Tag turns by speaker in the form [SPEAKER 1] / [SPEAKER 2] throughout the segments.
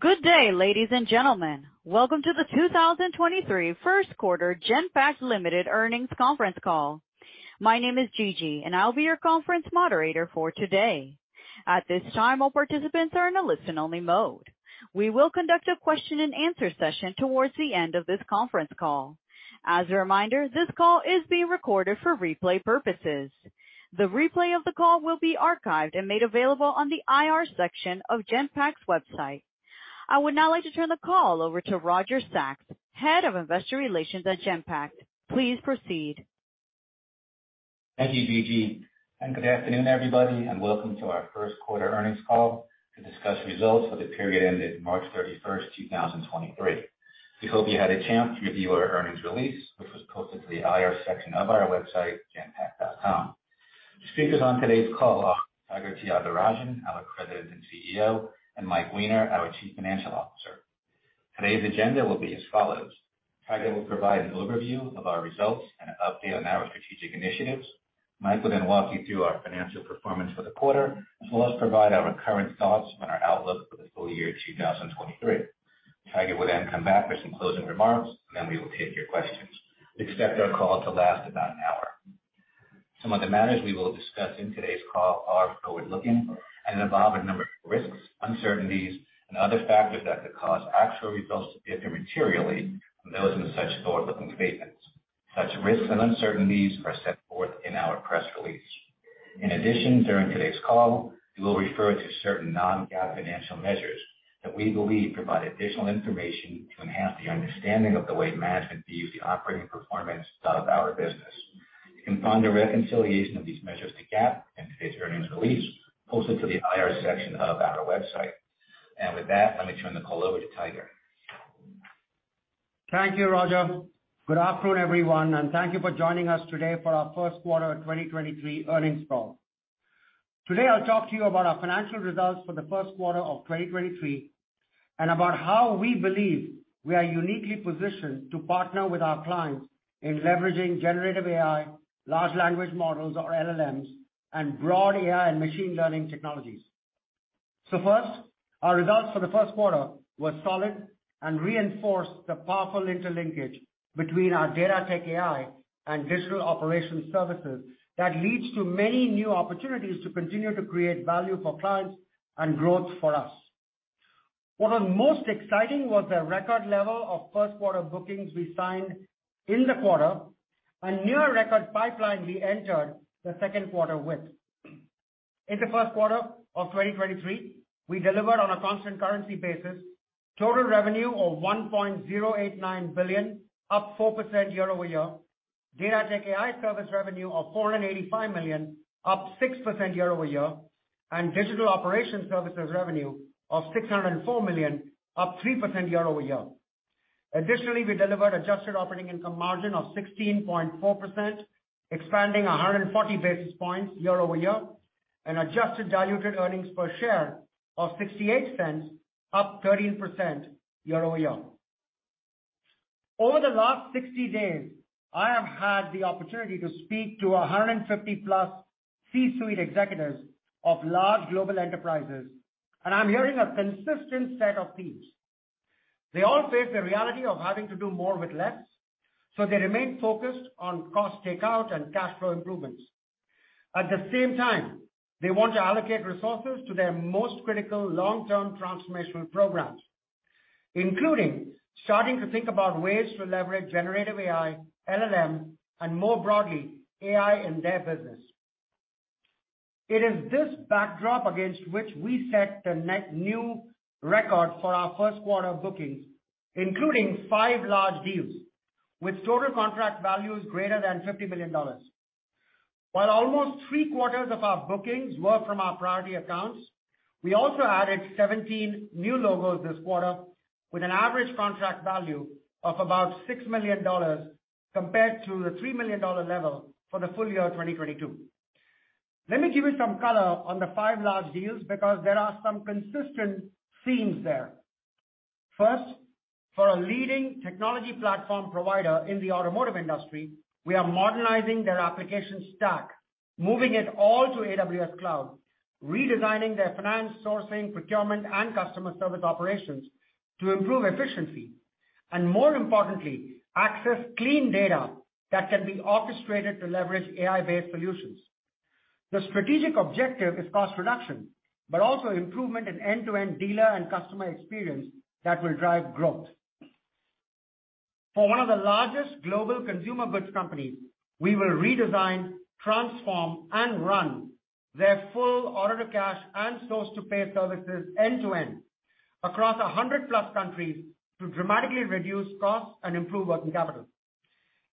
[SPEAKER 1] Good day, ladies and gentlemen. Welcome to the 2023 Q1 Genpact Limited earnings conference call. My name is Gigi, and I'll be your conference moderator for today. At this time, all participants are in a listen-only mode. We will conduct a question and answer session towards the end of this conference call. As a reminder, this call is being recorded for replay purposes. The replay of the call will be archived and made available on the IR section of Genpact's website. I would now like to turn the call over to Roger Sachs, Head of Investor Relations at Genpact. Please proceed.
[SPEAKER 2] Thank you, Gigi, and good afternoon, everybody, and welcome to our Q1 earnings call to discuss results for the period ended March 31, 2023. We hope you had a chance to review our earnings release, which was posted to the IR section of our website, genpact.com. Speakers on today's call are Tiger Tyagarajan, our credited CEO, and Mike Weiner, our Chief Financial Officer. Today's agenda will be as follows: Tiger will provide an overview of our results and an update on our strategic initiatives. Mike will then walk you through our financial performance for the quarter, as well as provide our current thoughts on our outlook for the full year 2023. Tiger will then come back for some closing remarks. Then we will take your questions. Expect our call to last about an hour. Some of the matters we will discuss in today's call are forward-looking and involve a number of risks, uncertainties and other factors that could cause actual results to differ materially from those in such forward-looking statements. Such risks and uncertainties are set forth in our press release. In addition, during today's call, we will refer to certain non-GAAP financial measures that we believe provide additional information to enhance the understanding of the way management views the operating performance of our business. You can find a reconciliation of these measures to GAAP in today's earnings release posted to the IR section of our website. With that, let me turn the call over to Tiger.
[SPEAKER 3] Thank you, Roger. Good afternoon, everyone, thank you for joining us today for our Q1 2023 earnings call. Today, I'll talk to you about our financial results for the Q1 of 2023, about how we believe we are uniquely positioned to partner with our clients in leveraging generative AI, Large Language Models or LLMs, and broad AI and machine learning technologies. First, our results for the Q1 were solid and reinforced the powerful interlinkage between our Data-Tech-AI and digital operations services that leads to many new opportunities to continue to create value for clients and growth for us. What was most exciting was the record level of Q1 bookings we signed in the quarter and near record pipeline we entered the second quarter with. In the Q1 of 2023, we delivered on a constant currency basis total revenue of $1.089 billion, up 4% year-over-year, Data-Tech-AI service revenue of $485 million, up 6% year-over-year, and digital operations services revenue of $604 million, up 3% year-over-year. Additionally, we delivered adjusted operating income margin of 16.4%, expanding 140 basis points year-over-year, and adjusted diluted earnings per share of $0.68, up 13% year-over-year. Over the last 60 days, I have had the opportunity to speak to 150+ C-suite executives of large global enterprises, I'm hearing a consistent set of themes. They all face the reality of having to do more with less, they remain focused on cost takeout and cash flow improvements. At the same time, they want to allocate resources to their most critical long-term transformational programs, including starting to think about ways to leverage generative AI, LLM, and more broadly, AI in their business. It is this backdrop against which we set the net new record for our Q1 bookings, including five large deals with total contract values greater than $50 million. While almost 3/4 of our bookings were from our priority accounts, we also added 17 new logos this quarter with an average contract value of about $6 million compared to the $3 million level for the full year of 2022. Let me give you some color on the five large deals because there are some consistent themes there. For a leading technology platform provider in the automotive industry, we are modernizing their application stack, moving it all to AWS Cloud, redesigning their finance, sourcing, procurement, and customer service operations to improve efficiency, and more importantly, access clean data that can be orchestrated to leverage AI-based solutions. The strategic objective is cost reduction, also improvement in end-to-end dealer and customer experience that will drive growth. For one of the largest global consumer goods companies, we will redesign, transform, and run their full order to cash and source to pay services end to end across 100 plus countries to dramatically reduce costs and improve working capital.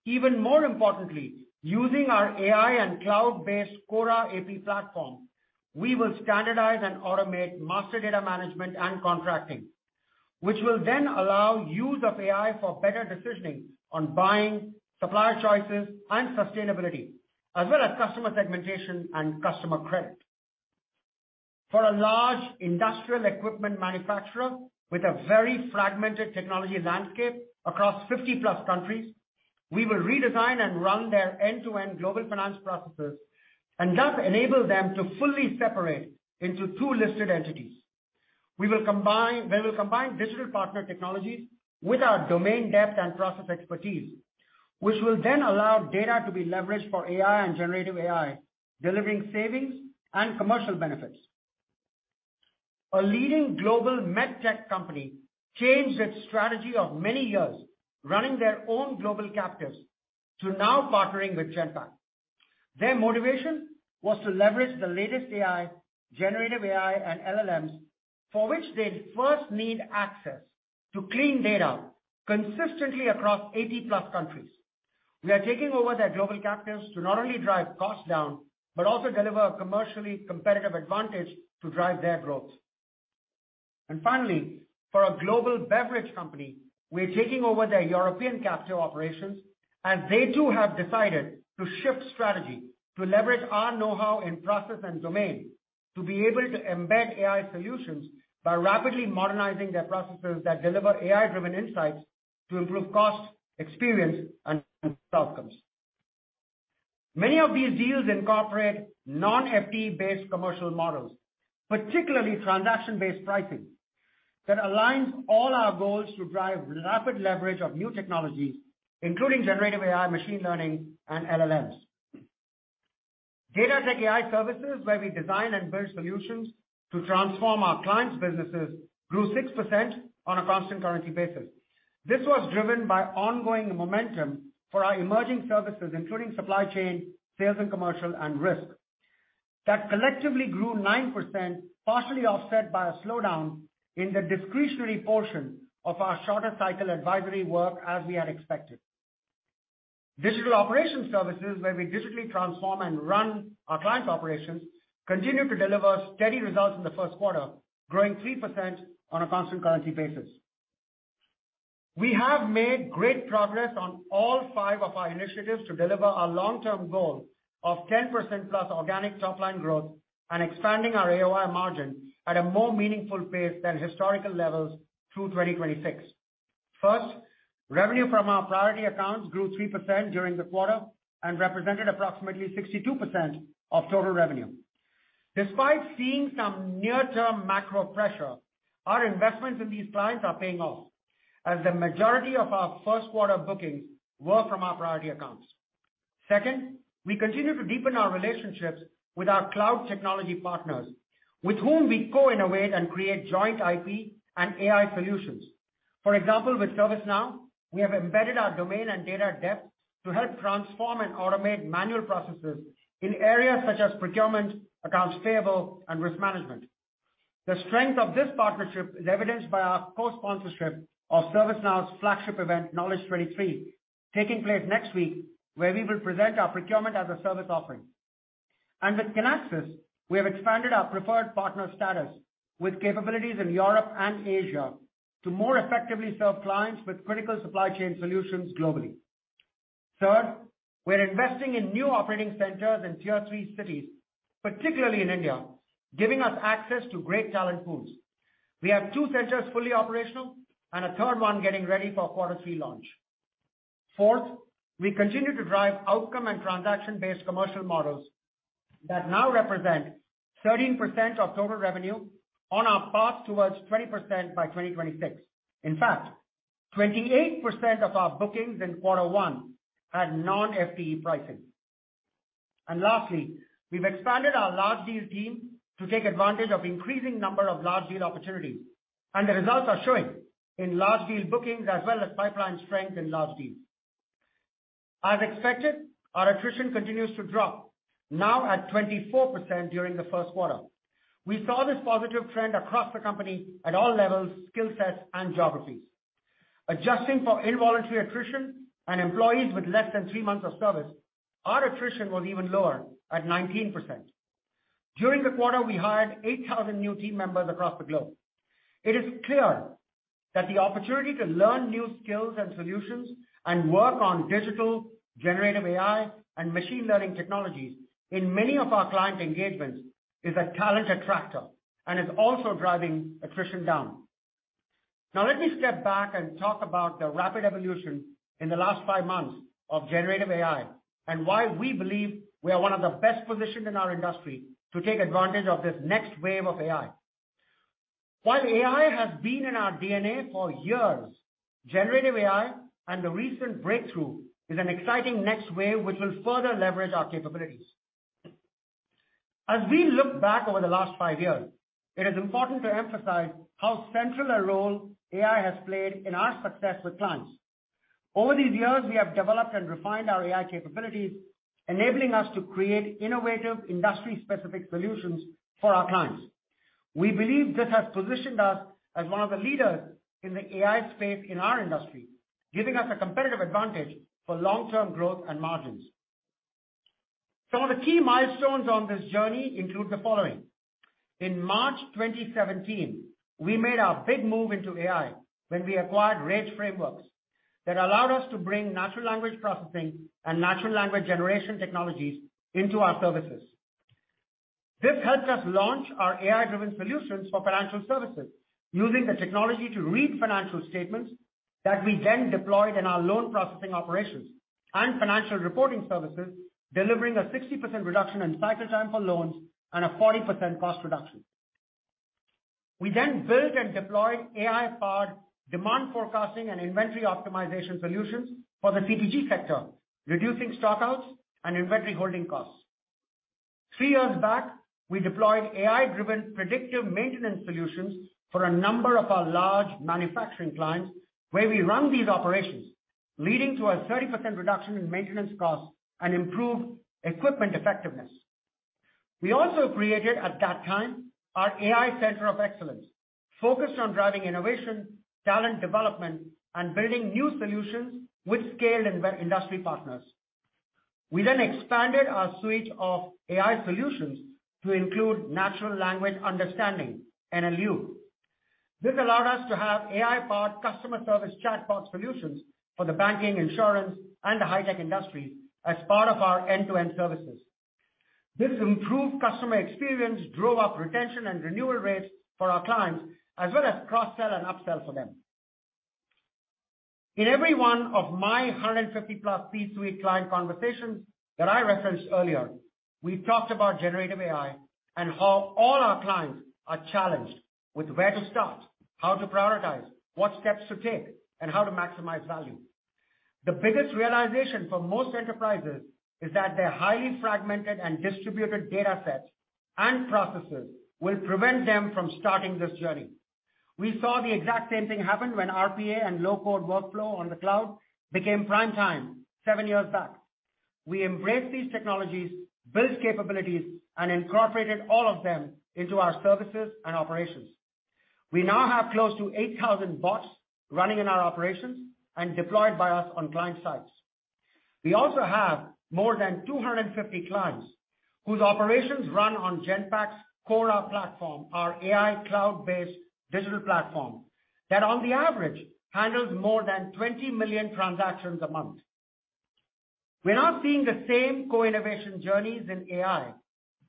[SPEAKER 3] Even more importantly, using our AI and cloud-based Cora AP platform, we will standardize and automate master data management and contracting, which will then allow use of AI for better decisioning on buying, supplier choices and sustainability, as well as customer segmentation and customer credit. For a large industrial equipment manufacturer with a very fragmented technology landscape across 50-plus countries. We will redesign and run their end-to-end global finance processes and thus enable them to fully separate into 2 listed entities. They will combine digital partner technologies with our domain depth and process expertise, which will then allow data to be leveraged for AI and generative AI, delivering savings and commercial benefits. A leading global med tech company changed its strategy of many years running their own global captives to now partnering with Genpact. Their motivation was to leverage the latest AI, generative AI, and LLMs, for which they'd first need access to clean data consistently across 80-plus countries. We are taking over their global captives to not only drive costs down, but also deliver a commercially competitive advantage to drive their growth. Finally, for a global beverage company, we're taking over their European capture operations as they too have decided to shift strategy to leverage our know-how in process and domain to be able to embed AI solutions by rapidly modernizing their processes that deliver AI-driven insights to improve cost, experience, and outcomes. Many of these deals incorporate non-FTE-based commercial models, particularly transaction-based pricing, that aligns all our goals to drive rapid leverage of new technologies, including generative AI, machine learning, and LLMs. Data-Tech-AI services, where we design and build solutions to transform our clients' businesses, grew 6% on a constant currency basis. This was driven by ongoing momentum for our emerging services, including supply chain, sales and commercial, and risk, that collectively grew 9%, partially offset by a slowdown in the discretionary portion of our shorter cycle advisory work, as we had expected. Digital operations services, where we digitally transform and run our clients' operations, continued to deliver steady results in the Q1, growing 3% on a constant currency basis. We have made great progress on all five of our initiatives to deliver our long-term goal of 10%+ organic top-line growth and expanding our AOI margin at a more meaningful pace than historical levels through 2026. First, revenue from our priority accounts grew 3% during the quarter and represented approximately 62% of total revenue. Despite seeing some near-term macro pressure, our investments in these clients are paying off, as the majority of our Q1 bookings were from our priority accounts. Second, we continue to deepen our relationships with our cloud technology partners with whom we co-innovate and create joint IP and AI solutions. For example, with ServiceNow, we have embedded our domain and data depth to help transform and automate manual processes in areas such as procurement, accounts payable, and risk management. The strength of this partnership is evidenced by our co-sponsorship of ServiceNow's flagship event, Knowledge '23, taking place next week, where we will present our procurement-as-a-service offering. With Kinaxis, we have expanded our preferred partner status with capabilities in Europe and Asia to more effectively serve clients with critical supply chain solutions globally. Third, we're investing in new operating centers in tier 3 cities, particularly in India, giving us access to great talent pools. We have 2 centers fully operational and a 3rd one getting ready for quarter 3 launch. Fourth, we continue to drive outcome and transaction-based commercial models that now represent 13% of total revenue on our path towards 20% by 2026. In fact, 28% of our bookings in quarter 1 had non-FTE pricing. Lastly, we've expanded our large deals team to take advantage of increasing number of large deal opportunities, and the results are showing in large deal bookings as well as pipeline strength in large deals. As expected, our attrition continues to drop, now at 24% during the Q1. We saw this positive trend across the company at all levels, skill sets, and geographies. Adjusting for involuntary attrition and employees with less than three months of service, our attrition was even lower at 19%. During the quarter, we hired 8,000 new team members across the globe. It is clear that the opportunity to learn new skills and solutions and work on digital, generative AI, and machine learning technologies in many of our client engagements is a talent attractor and is also driving attrition down. Now let me step back and talk about the rapid evolution in the last five months of generative AI and why we believe we are one of the best positioned in our industry to take advantage of this next wave of AI. While AI has been in our DNA for years, generative AI and the recent breakthrough is an exciting next wave which will further leverage our capabilities. As we look back over the last five years, it is important to emphasize how central a role AI has played in our success with clients. Over these years, we have developed and refined our AI capabilities, enabling us to create innovative, industry-specific solutions for our clients. We believe this has positioned us as one of the leaders in the AI space in our industry, giving us a competitive advantage for long-term growth and margins. Some of the key milestones on this journey include the following: In March 2017, we made our big move into AI when we acquired Rage Frameworks. That allowed us to bring natural language processing and natural language generation technologies into our services. This helps us launch our AI-driven solutions for financial services using the technology to read financial statements that we then deployed in our loan processing operations and financial reporting services, delivering a 60% reduction in cycle time for loans and a 40% cost reduction. We built and deployed AI-powered demand forecasting and inventory optimization solutions for the CPG sector, reducing stockouts and inventory holding costs. Three years back, we deployed AI-driven predictive maintenance solutions for a number of our large manufacturing clients where we run these operations, leading to a 30% reduction in maintenance costs and improved equipment effectiveness. We also created, at that time, our AI Center of Excellence focused on driving innovation, talent development, and building new solutions with scale in industry partners. We expanded our suite of AI solutions to include natural language understanding, NLU. This allowed us to have AI-powered customer service chatbot solutions for the banking, insurance, and the high-tech industry as part of our end-to-end services. This improved customer experience drove up retention and renewal rates for our clients, as well as cross-sell and upsell for them. In every one of my 150-plus C-suite client conversations that I referenced earlier, we talked about generative AI and how all our clients are challenged with where to start, how to prioritize, what steps to take, and how to maximize value. The biggest realization for most enterprises is that their highly fragmented and distributed data sets and processes will prevent them from starting this journey. We saw the exact same thing happen when RPA and low-code workflow on the cloud became prime time 7 years back. We embraced these technologies, built capabilities, and incorporated all of them into our services and operations. We now have close to 8,000 bots running in our operations and deployed by us on client sites. We also have more than 250 clients whose operations run on Genpact's Cora platform, our AI cloud-based digital platform, that on the average handles more than 20 million transactions a month. We're now seeing the same co-innovation journeys in AI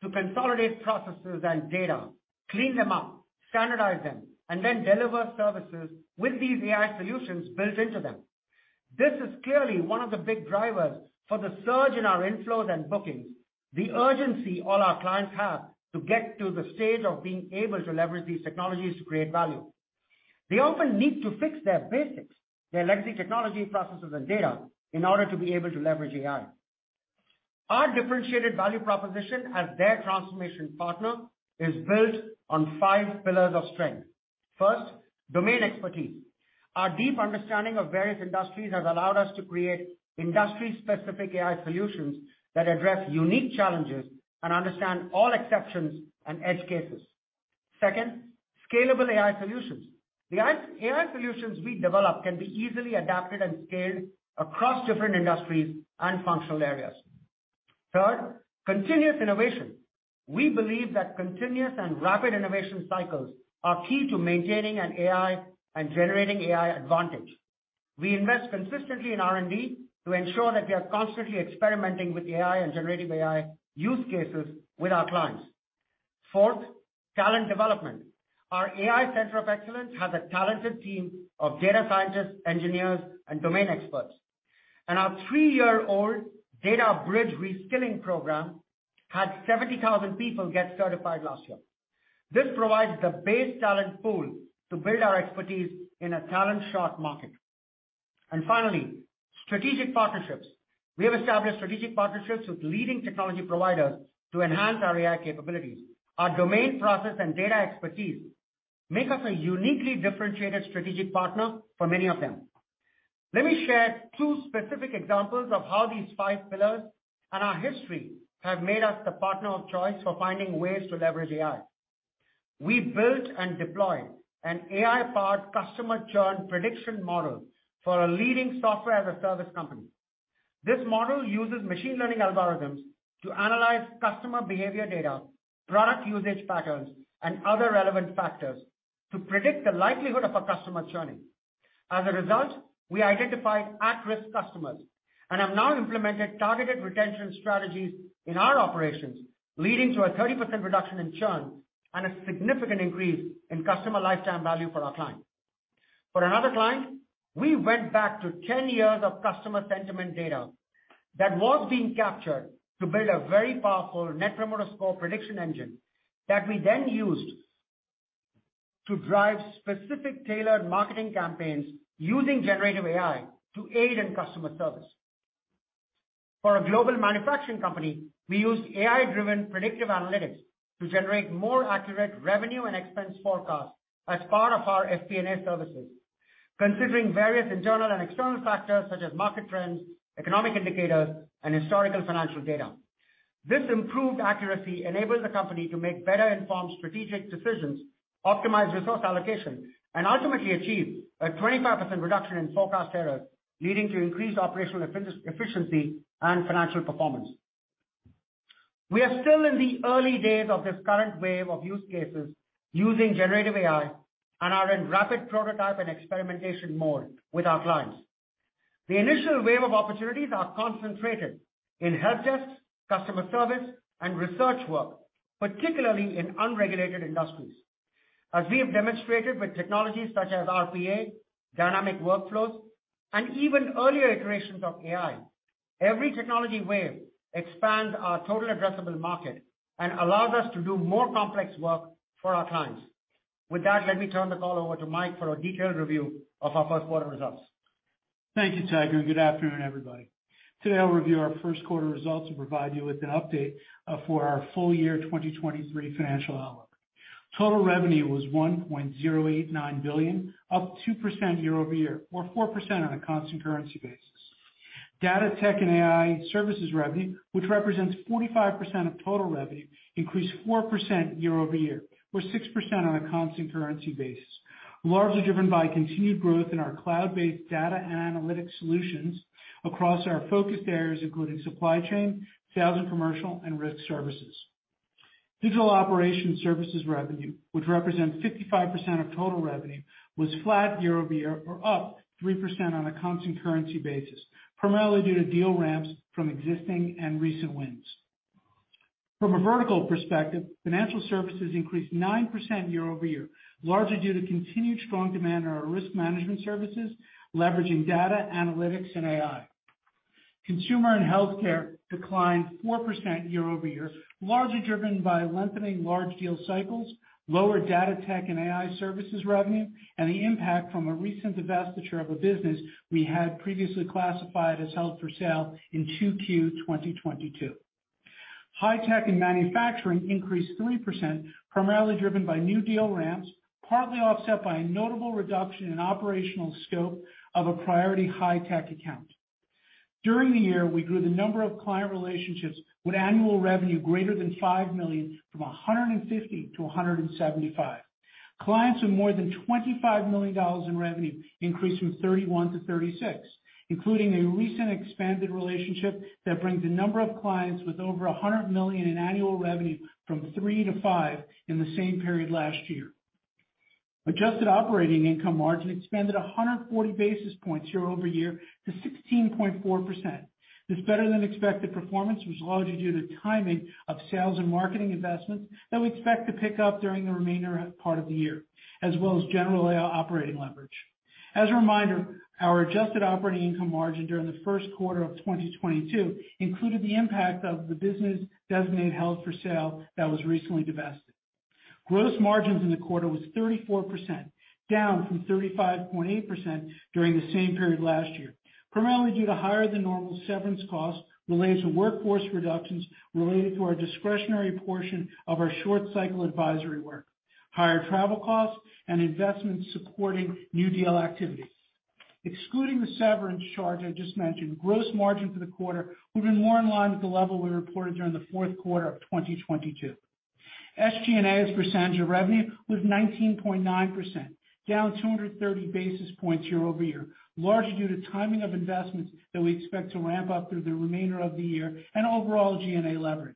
[SPEAKER 3] to consolidate processes and data, clean them up, standardize them, and then deliver services with these AI solutions built into them. This is clearly one of the big drivers for the surge in our inflows and bookings, the urgency all our clients have to get to the stage of being able to leverage these technologies to create value. They often need to fix their basics, their legacy technology, processes, and data, in order to be able to leverage AI. Our differentiated value proposition as their transformation partner is built on 5 pillars of strength. First, domain expertise. Our deep understanding of various industries has allowed us to create industry-specific AI solutions that address unique challenges and understand all exceptions and edge cases. Second, scalable AI solutions. The AI solutions we develop can be easily adapted and scaled across different industries and functional areas. Third, continuous innovation. We believe that continuous and rapid innovation cycles are key to maintaining an AI and generative AI advantage. We invest consistently in R&D to ensure that we are constantly experimenting with AI and generative AI use cases with our clients. Fourth, talent development. Our AI Center of Excellence has a talented team of data scientists, engineers, and domain experts. Our three-year-old DataBridge reskilling program had 70,000 people get certified last year. This provides the base talent pool to build our expertise in a talent-short market. Finally, strategic partnerships. We have established strategic partnerships with leading technology providers to enhance our AI capabilities. Our domain process and data expertise make us a uniquely differentiated strategic partner for many of them. Let me share two specific examples of how these five pillars and our history have made us the partner of choice for finding ways to leverage AI. We built and deployed an AI-powered customer churn prediction model for a leading software-as-a-service company. This model uses machine learning algorithms to analyze customer behavior data, product usage patterns, and other relevant factors to predict the likelihood of a customer churning. As a result, we identified at-risk customers and have now implemented targeted retention strategies in our operations, leading to a 30% reduction in churn and a significant increase in customer lifetime value for our client. For another client, we went back to 10 years of customer sentiment data that was being captured to build a very powerful net promoter score prediction engine that we then used to drive specific tailored marketing campaigns using generative AI to aid in customer service. For a global manufacturing company, we used AI-driven predictive analytics to generate more accurate revenue and expense forecasts as part of our FP&A services, considering various internal and external factors such as market trends, economic indicators, and historical financial data. This improved accuracy enables the company to make better-informed strategic decisions, optimize resource allocation, and ultimately achieve a 25% reduction in forecast errors, leading to increased operational efficiency and financial performance. We are still in the early days of this current wave of use cases using generative AI and are in rapid prototype and experimentation mode with our clients. The initial wave of opportunities are concentrated in help desk, customer service, and research work, particularly in unregulated industries. As we have demonstrated with technologies such as RPA, dynamic workflows, and even earlier iterations of AI, every technology wave expands our total addressable market and allows us to do more complex work for our clients. With that, let me turn the call over to Mike for a detailed review of our Q1 results.
[SPEAKER 4] Thank you, Tiger. Good afternoon, everybody. Today, I'll review our Q1 results and provide you with an update for our full year 2023 financial outlook. Total revenue was $1.089 billion, up 2% year-over-year or 4% on a constant currency basis. Data-Tech-AI services revenue, which represents 45% of total revenue, increased 4% year-over-year, or 6% on a constant currency basis, largely driven by continued growth in our cloud-based data and analytics solutions across our focus areas, including supply chain, sales and commercial and risk services. Digital operation services revenue, which represents 55% of total revenue, was flat year-over-year or up 3% on a constant currency basis, primarily due to deal ramps from existing and recent wins. From a vertical perspective, financial services increased 9% year-over-year, largely due to continued strong demand on our risk management services leveraging data, analytics, and AI. Consumer and healthcare declined 4% year-over-year, largely driven by lengthening large deal cycles, lower Data-Tech-AI services revenue, and the impact from a recent divestiture of a business we had previously classified as held for sale in 2Q 2022. High tech and manufacturing increased 3%, primarily driven by new deal ramps, partly offset by a notable reduction in operational scope of a priority high tech account. During the year, we grew the number of client relationships with annual revenue greater than $5 million from 150 to 175. Clients with more than $25 million in revenue increased from 31 to 36, including a recent expanded relationship that brings the number of clients with over $100 million in annual revenue from 3 to 5 in the same period last year. adjusted operating income margin expanded 140 basis points year-over-year to 16.4%. This better than expected performance was largely due to timing of sales and marketing investments that we expect to pick up during the remainder of part of the year, as well as general operating leverage. As a reminder, our adjusted operating income margin during the Q1 of 2022 included the impact of the business designate held for sale that was recently divested. Gross margins in the quarter was 34%, down from 35.8% during the same period last year, primarily due to higher than normal severance costs related to workforce reductions related to our discretionary portion of our short cycle advisory work, higher travel costs and investments supporting new deal activity. Excluding the severance charge I just mentioned, gross margin for the quarter would have been more in line with the level we reported during the fourth quarter of 2022. SG&A as a percentage of revenue was 19.9%, down 230 basis points year-over-year, largely due to timing of investments that we expect to ramp up through the remainder of the year and overall G&A leverage.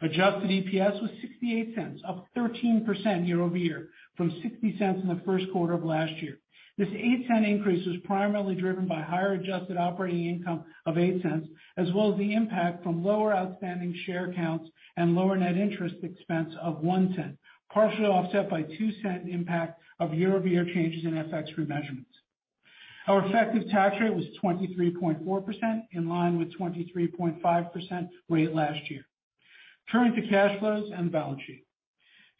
[SPEAKER 4] Adjusted EPS was $0.68, up 13% year-over-year from $0.60 in the Q1 of last year. This $0.08 increase was primarily driven by higher adjusted operating income of $0.08, as well as the impact from lower outstanding share counts and lower net interest expense of $0.01, partially offset by $0.02 impact of year-over-year changes in FX remeasurements. Our effective tax rate was 23.4%, in line with 23.5% rate last year. Turning to cash flows and the balance sheet.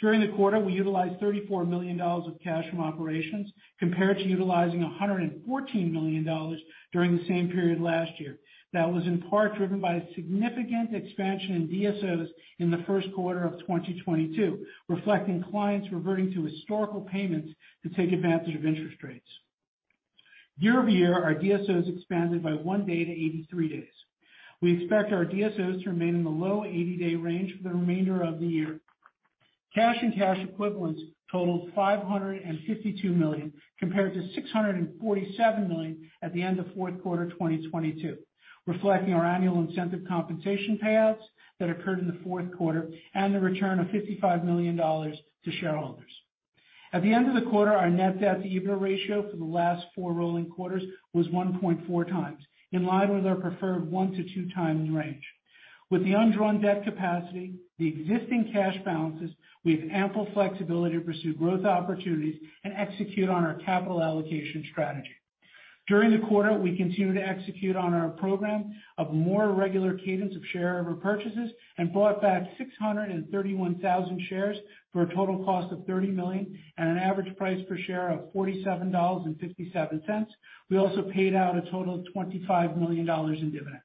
[SPEAKER 4] During the quarter, we utilized $34 million of cash from operations compared to utilizing $114 million during the same period last year. That was in part driven by a significant expansion in DSOs in the Q1 of 2022, reflecting clients reverting to historical payments to take advantage of interest rates. Year-over-year, our DSOs expanded by one day to 83 days. We expect our DSOs to remain in the low 80-day range for the remainder of the year. Cash and cash equivalents totaled $552 million, compared to $647 million at the end of fourth quarter 2022, reflecting our annual incentive compensation payouts that occurred in the fourth quarter and the return of $55 million to shareholders. At the end of the quarter, our net debt to EBITDA ratio for the last four rolling quarters was 1.4x, in line with our preferred 1 to 2x range. With the undrawn debt capacity, the existing cash balances, we have ample flexibility to pursue growth opportunities and execute on our capital allocation strategy. During the quarter, we continued to execute on our program of more regular cadence of share repurchases and bought back 631,000 shares for a total cost of $30 million and an average price per share of $47.57. We also paid out a total of $25 million in dividends.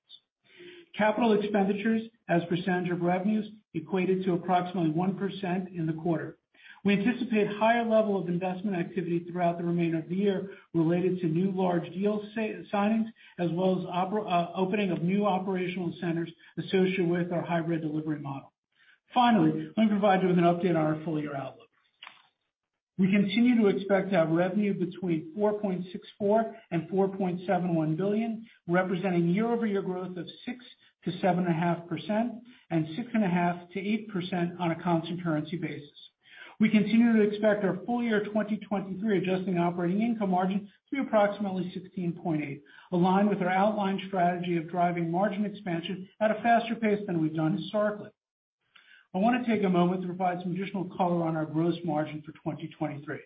[SPEAKER 4] Capital expenditures as a percentage of revenues equated to approximately 1% in the quarter. We anticipate higher level of investment activity throughout the remainder of the year related to new large deal signings as well as opening of new operational centers associated with our hybrid delivery model. Finally, let me provide you with an update on our full year outlook. We continue to expect our revenue between $4.64 billion and $4.71 billion, representing year-over-year growth of 6% to 7.5% and 6.5% to 8% on a constant currency basis. We continue to expect our full year 2023 adjusting operating income margin to be approximately 16.8%, aligned with our outlined strategy of driving margin expansion at a faster pace than we've done historically. I want to take a moment to provide some additional color on our gross margin for 2023.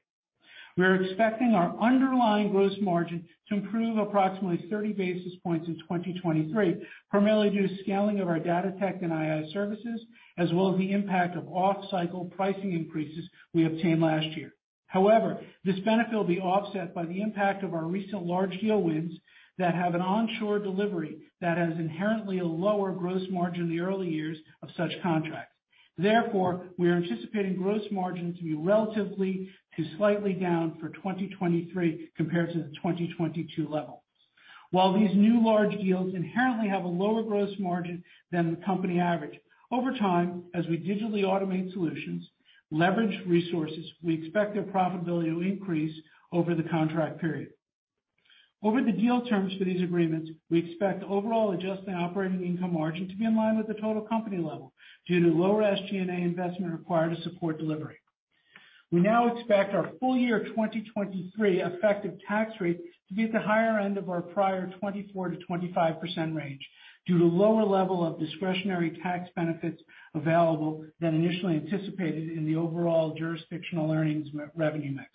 [SPEAKER 4] We are expecting our underlying gross margin to improve approximately 30 basis points in 2023, primarily due to scaling of our Data-Tech-AI services, as well as the impact of off-cycle pricing increases we obtained last year. However, this benefit will be offset by the impact of our recent large deal wins that have an onshore delivery that has inherently a lower gross margin in the early years of such contracts. Therefore, we are anticipating gross margin to be relatively to slightly down for 2023 compared to the 2022 levels. While these new large deals inherently have a lower gross margin than the company average, over time, as we digitally automate solutions, leverage resources, we expect their profitability to increase over the contract period. Over the deal terms for these agreements, we expect overall adjusted operating income margin to be in line with the total company level due to lower SG&A investment required to support delivery. We now expect our full year 2023 effective tax rate to be at the higher end of our prior 24%-25% range due to lower level of discretionary tax benefits available than initially anticipated in the overall jurisdictional earnings income mix.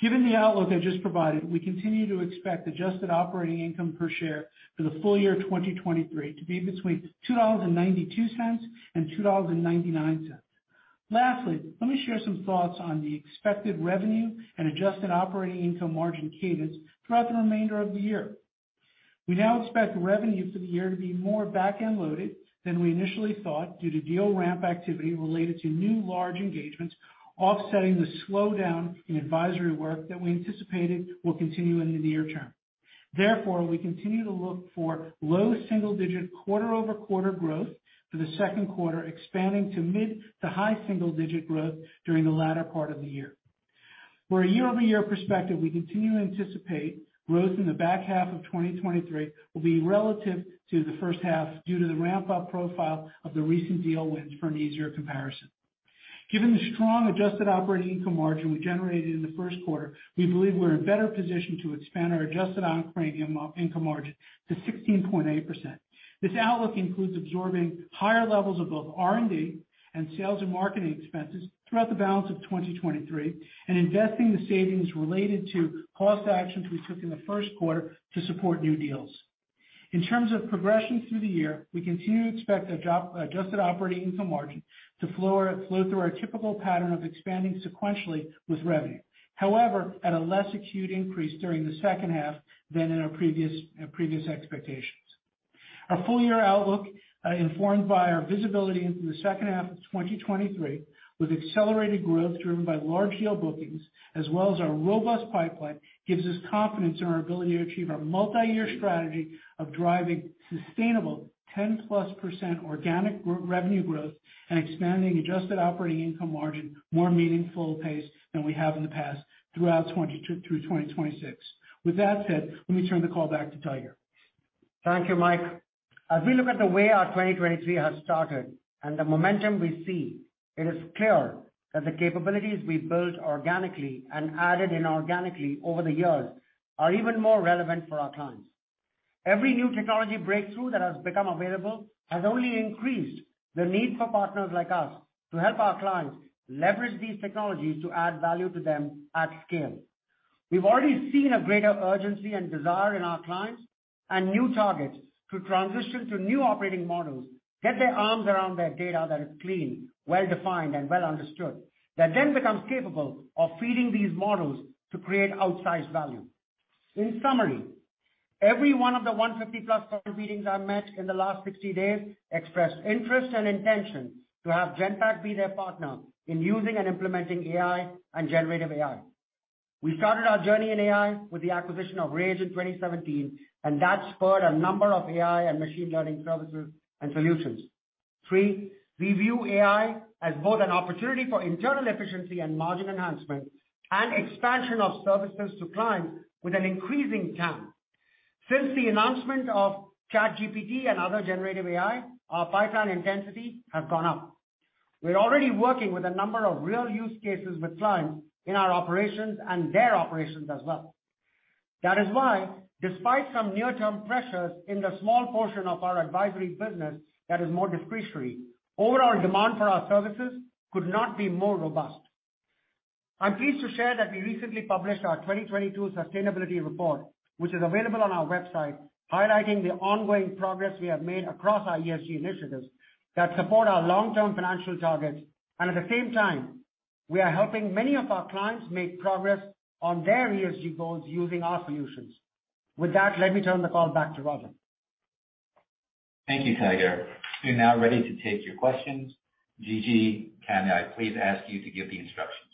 [SPEAKER 4] Given the outlook I just provided, we continue to expect adjusted operating income per share for the full year 2023 to be between $2.92 and $2.99. Let me share some thoughts on the expected revenue and adjusted operating income margin cadence throughout the remainder of the year. We now expect revenue for the year to be more back-end loaded than we initially thought due to deal ramp activity related to new large engagements offsetting the slowdown in advisory work that we anticipated will continue in the near term. We continue to look for low single digit quarter-over-quarter growth for the second quarter, expanding to mid-to-high single digit growth during the latter part of the year. For a year-over-year perspective, we continue to anticipate growth in the back half of 2023 will be relative to the first half due to the ramp-up profile of the recent deal wins for an easier comparison. Given the strong adjusted operating income margin we generated in the Q1, we believe we're in better position to expand our adjusted operating income margin to 16.8%. This outlook includes absorbing higher levels of both R&D and sales and marketing expenses throughout the balance of 2023 and investing the savings related to cost actions we took in the Q1 to support new deals. In terms of progression through the year, we continue to expect adjusted operating income margin to flow through our typical pattern of expanding sequentially with revenue. However, at a less acute increase during the second half than in our previous expectations. Our full-year outlook, informed by our visibility into the second half of 2023, with accelerated growth driven by large deal bookings, as well as our robust pipeline, gives us confidence in our ability to achieve our multi-year strategy of driving sustainable 10+% organic revenue growth and expanding adjusted operating income margin more meaningful pace than we have in the past throughout 2026. With that said, let me turn the call back to Tiger.
[SPEAKER 3] Thank you, Mike. As we look at the way our 2023 has started and the momentum we see, it is clear that the capabilities we built organically and added inorganically over the years are even more relevant for our clients. Every new technology breakthrough that has become available has only increased the need for partners like us to help our clients leverage these technologies to add value to them at scale. We've already seen a greater urgency and desire in our clients and new targets to transition to new operating models, get their arms around their data that is clean, well-defined and well understood, that then becomes capable of feeding these models to create outsized value. In summary, every one of the 150 plus target meetings I met in the last 60 days expressed interest and intention to have Genpact be their partner in using and implementing AI and generative AI. We started our journey in AI with the acquisition of Rage in 2017, and that spurred a number of AI and machine learning services and solutions. Three, we view AI as both an opportunity for internal efficiency and margin enhancement and expansion of services to clients with an increasing TAM. Since the announcement of ChatGPT and other generative AI, our pipeline intensity have gone up. We're already working with a number of real use cases with clients in our operations and their operations as well. That is why, despite some near-term pressures in the small portion of our advisory business that is more discretionary, overall demand for our services could not be more robust. I'm pleased to share that we recently published our 2022 sustainability report, which is available on our website, highlighting the ongoing progress we have made across our ESG initiatives that support our long-term financial targets. At the same time, we are helping many of our clients make progress on their ESG goals using our solutions. With that, let me turn the call back to Roger.
[SPEAKER 2] Thank you, Tiger. We're now ready to take your questions. Gigi, can I please ask you to give the instructions?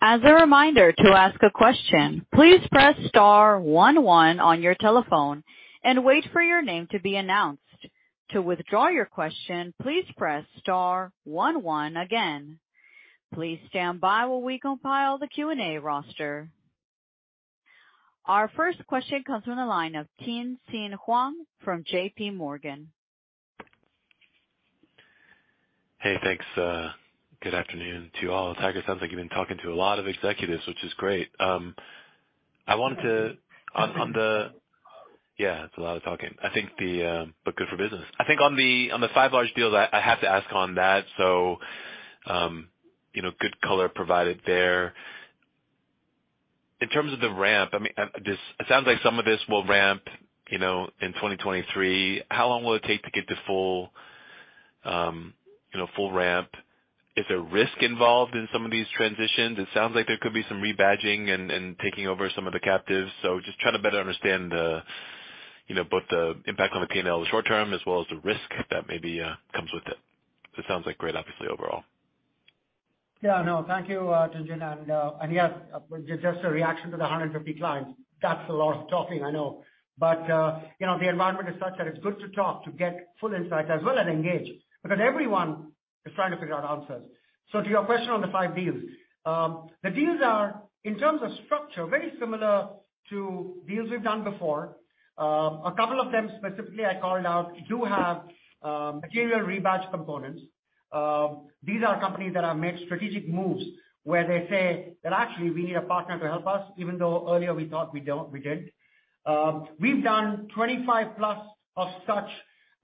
[SPEAKER 1] As a reminder to ask a question, please press star one one on your telephone and wait for your name to be announced. To withdraw your question, please press star one one again. Please stand by while we compile the Q&A roster. Our first question comes from the line of Tien-Tsin Huang from J.P. Morgan.
[SPEAKER 5] Hey, thanks. Good afternoon to you all. Tiger, sounds like you've been talking to a lot of executives, which is great. Yeah, it's a lot of talking. I think the. Good for business. I think on the, on the five large deals, I have to ask on that. You know, good color provided there. In terms of the ramp, I mean, It sounds like some of this will ramp, you know, in 2023. How long will it take to get to full, you know, full ramp? Is there risk involved in some of these transitions? It sounds like there could be some rebadging and taking over some of the captives. Just trying to better understand the, you know, both the impact on the P&L in the short term as well as the risk that maybe comes with it. It sounds, like, great, obviously, overall.
[SPEAKER 3] Yeah, no. Thank you, Tien-Tsin. Yeah, just a reaction to the 150 clients. That's a lot of talking, I know. You know, the environment is such that it's good to talk to get full insight as well as engage because everyone is trying to figure out answers. To your question on the 5 deals. The deals are, in terms of structure, very similar to deals we've done before. A couple of them specifically I called out do have material rebadge components. These are companies that have made strategic moves where they say that, "Actually we need a partner to help us, even though earlier we thought we did." We've done 25 plus of such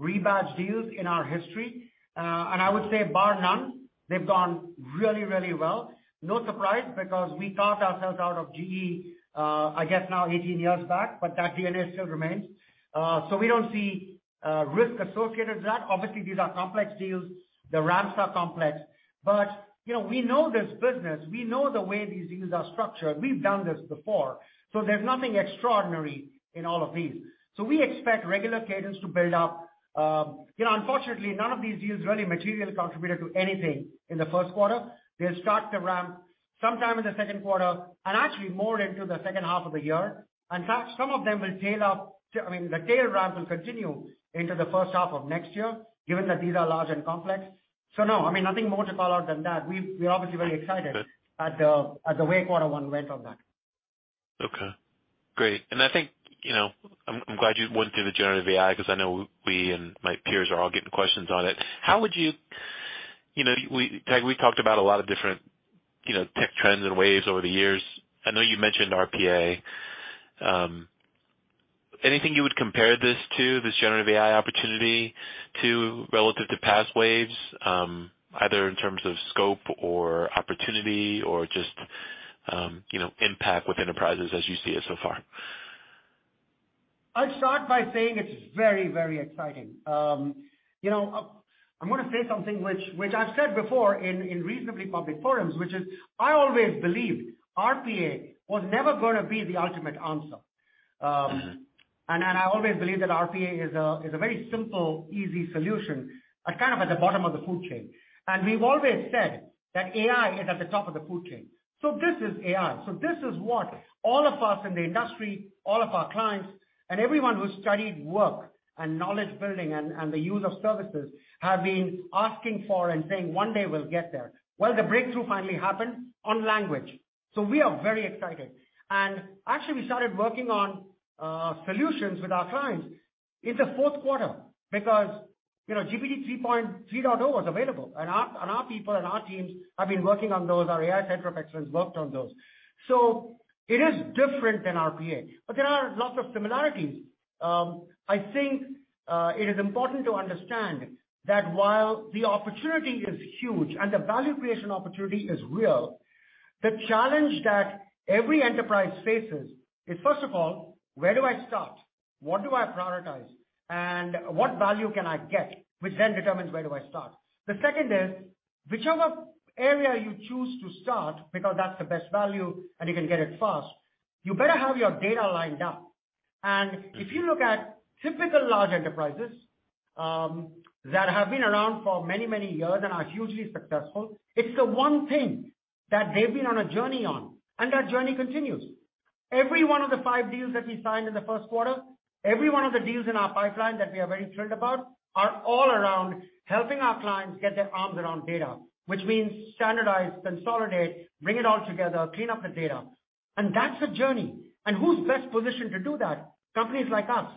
[SPEAKER 3] rebadge deals in our history. I would say bar none, they've gone really well. No surprise because we carved ourselves out of GE, I guess now 18 years back, but that DNA still remains. We don't see risk associated with that. Obviously, these are complex deals. The ramps are complex. You know, we know this business. We know the way these deals are structured. We've done this before. There's nothing extraordinary in all of these. We expect regular cadence to build up. You know, unfortunately, none of these deals really materially contributed to anything in the Q1. They'll start to ramp sometime in the second quarter and actually more into the second half of the year. Some of them will tail up. I mean, the tail ramp will continue into the first half of next year, given that these are large and complex. No, I mean, nothing more to call out than that. We're obviously very excited at the, at the way quarter one went on that.
[SPEAKER 5] Okay. Great. I think, you know, I'm glad you went through the generative AI because I know we and my peers are all getting questions on it. Tiger, we talked about a lot of different, you know, tech trends and waves over the years. I know you mentioned RPA. Anything you would compare this to, this generative AI opportunity to relative to past waves, either in terms of scope or opportunity or just, you know, impact with enterprises as you see it so far?
[SPEAKER 3] I'll start by saying it's very, very exciting. you know, I'm gonna say something which I've said before in reasonably public forums, which is I always believed RPA was never gonna be the ultimate answer. I always believed that RPA is a very simple, easy solution at kind of at the bottom of the food chain. We've always said that AI is at the top of the food chain. This is AI. This is what all of us in the industry, all of our clients, and everyone who studied work and knowledge building and the use of services have been asking for and saying, "One day we'll get there." Well, the breakthrough finally happened on language. We are very excited. Actually, we started working on solutions with our clients in the fourth quarter because, you know, GPT 3.0 was available, and our people and our teams have been working on those. Our AI Center of Excellence worked on those. It is different than RPA, but there are lots of similarities. I think it is important to understand that while the opportunity is huge and the value creation opportunity is real, the challenge that every enterprise faces is, first of all, where do I start? What do I prioritize? What value can I get, which then determines where do I start. The second is, whichever area you choose to start because that's the best value and you can get it fast, you better have your data lined up. If you look at typical large enterprises, that have been around for many, many years and are hugely successful, it's the one thing that they've been on a journey on, and that journey continues. Every one of the five deals that we signed in the Q1, every one of the deals in our pipeline that we are very thrilled about, are all around helping our clients get their arms around data, which means standardize, consolidate, bring it all together, clean up the data. That's a journey. Who's best positioned to do that? Companies like us.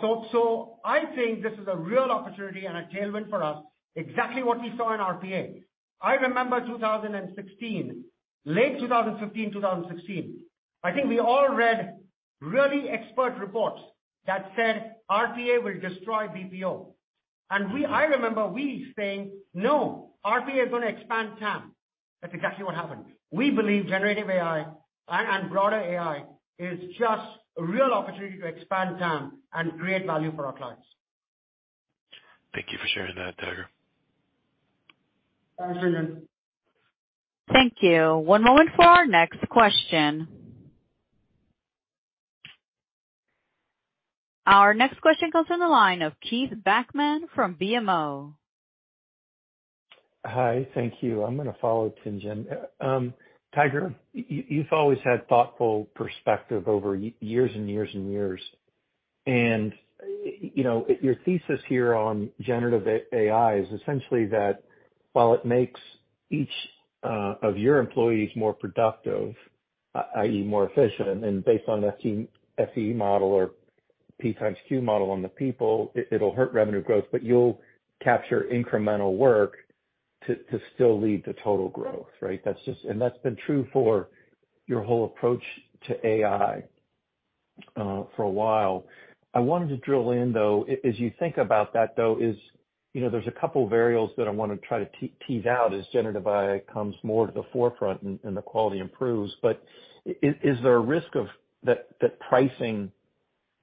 [SPEAKER 3] So I think this is a real opportunity and a tailwind for us, exactly what we saw in RPA. I remember 2016, late 2015, 2016, I think we all read really expert reports that said RPA will destroy BPO. I remember we saying, "No, RPA is gonna expand TAM." That's exactly what happened. We believe generative AI and broader AI is just a real opportunity to expand TAM and create value for our clients.
[SPEAKER 5] Thank you for sharing that, Tiger.
[SPEAKER 3] Thanks, Tien-Tsin.
[SPEAKER 1] Thank you. One moment for our next question. Our next question comes in the line of Keith Bachman from BMO.
[SPEAKER 6] Hi. Thank you. I'm gonna follow Tien-Tsin. Tiger, you've always had thoughtful perspective over years and years and years. You know, your thesis here on generative AI is essentially that while it makes each of your employees more productive, i.e., more efficient, and based on FTE model or P times Q model on the people, it'll hurt revenue growth, but you'll capture incremental work to still lead to total growth, right? That's been true for your whole approach to AI for a while. I wanted to drill in, though. As you think about that, though, is, you know, there's a couple of variables that I wanna try to tease out as generative AI comes more to the forefront and the quality improves. Is there a risk of that pricing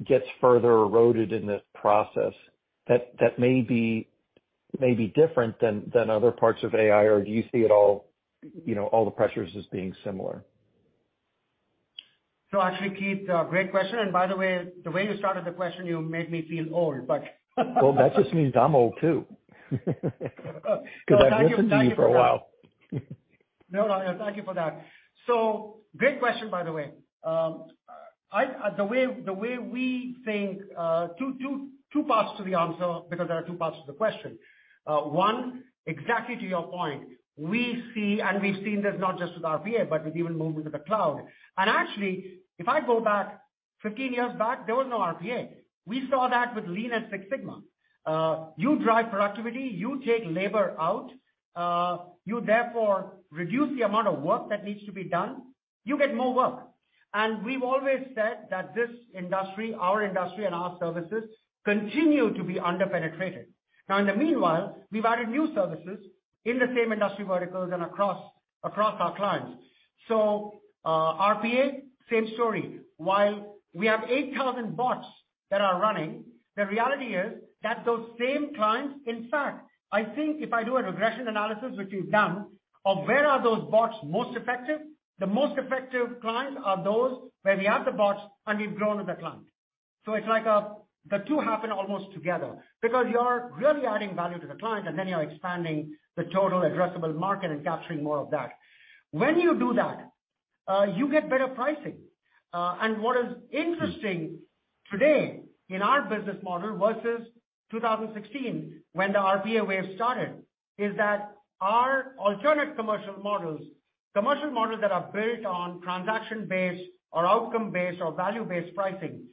[SPEAKER 6] gets further eroded in this process that may be different than other parts of AI? Or do you see it all, you know, all the pressures as being similar?
[SPEAKER 3] Actually, Keith, great question. By the way, the way you started the question, you made me feel old.
[SPEAKER 6] Well, that just means I'm old too.
[SPEAKER 3] Thank you for that.
[SPEAKER 6] 'Cause I've listened to you for a while.
[SPEAKER 3] No, no, thank you for that. Great question, by the way. The way, the way we think, two parts to the answer because there are two parts to the question. One, exactly to your point. We see and we've seen this not just with RPA, but with even movement to the cloud. Actually, if I go back 15 years back, there was no RPA. We saw that with Lean and Six Sigma. You drive productivity, you take labor out, you therefore reduce the amount of work that needs to be done, you get more work. We've always said that this industry, our industry and our services continue to be under-penetrated. Now, in the meanwhile, we've added new services in the same industry verticals and across our clients. RPA, same story. While we have 8,000 bots that are running, the reality is that those same clients, in fact, I think if I do a regression analysis, which we've done, of where are those bots most effective, the most effective clients are those where we have the bots and we've grown with the client. It's like, the two happen almost together because you are really adding value to the client, and then you're expanding the total addressable market and capturing more of that. When you do that, you get better pricing. What is interesting today in our business model versus 2016, when the RPA wave started, is that our alternate commercial models, commercial models that are built on transaction-based or outcome-based or value-based pricing,